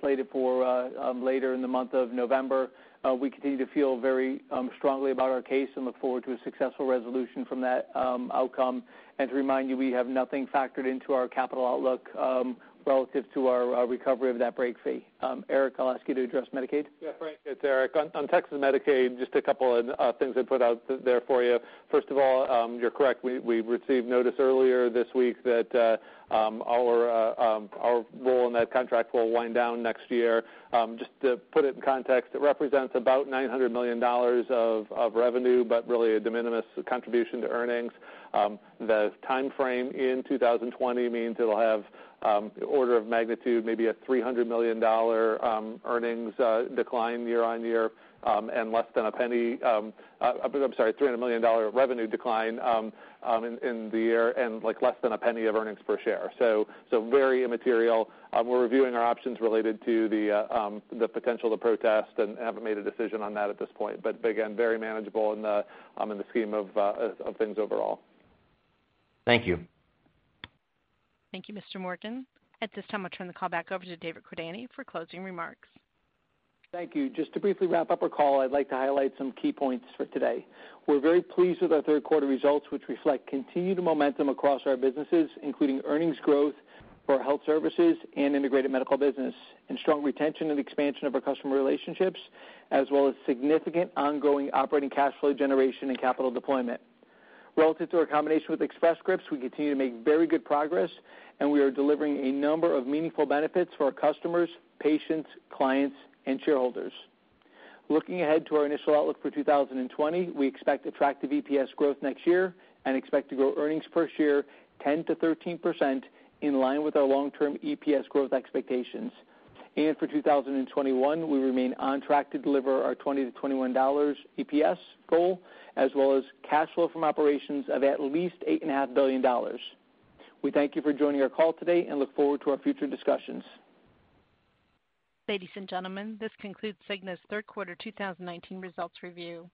slated for later in the month of November. We continue to feel very strongly about our case and look forward to a successful resolution from that outcome. To remind you, we have nothing factored into our capital outlook relative to our recovery of that break fee. Eric, I'll ask you to address Medicaid. Yeah, Frank, it's Eric. On Texas Medicaid, just a couple of things to put out there for you. First of all, you're correct, we received notice earlier this week that our role in that contract will wind down next year. Just to put it in context, it represents about $900 million of revenue, but really a de minimis contribution to earnings. The timeframe in 2020 means it'll have order of magnitude maybe a $300 million earnings decline year-on-year and less than $0.01. I'm sorry, $300 million revenue decline in the year and less than $0.01 of earnings per share. Very immaterial. We're reviewing our options related to the potential to protest and haven't made a decision on that at this point. Again, very manageable in the scheme of things overall. Thank you. Thank you, Mr. Morgan. At this time, I'll turn the call back over to David Cordani for closing remarks. Thank you. Just to briefly wrap up our call, I'd like to highlight some key points for today. We're very pleased with our third quarter results, which reflect continued momentum across our businesses, including earnings growth for our health services and integrated medical business and strong retention and expansion of our customer relationships, as well as significant ongoing operating cash flow generation and capital deployment. Relative to our combination with Express Scripts, we continue to make very good progress, and we are delivering a number of meaningful benefits for our customers, patients, clients, and shareholders. Looking ahead to our initial outlook for 2020, we expect attractive EPS growth next year and expect to grow earnings per share 10%-13%, in line with our long-term EPS growth expectations. For 2021, we remain on track to deliver our $20-$21 EPS goal, as well as cash flow from operations of at least $8.5 billion. We thank you for joining our call today and look forward to our future discussions. Ladies and gentlemen, this concludes Cigna's third quarter 2019 results review.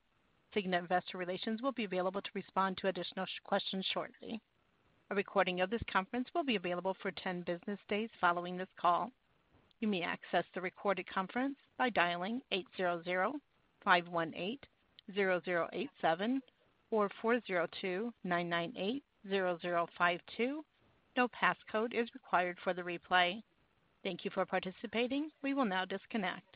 Cigna Investor Relations will be available to respond to additional questions shortly. A recording of this conference will be available for 10 business days following this call. You may access the recorded conference by dialing 800-518-0087 or 402-998-0052. No passcode is required for the replay. Thank you for participating. We will now disconnect.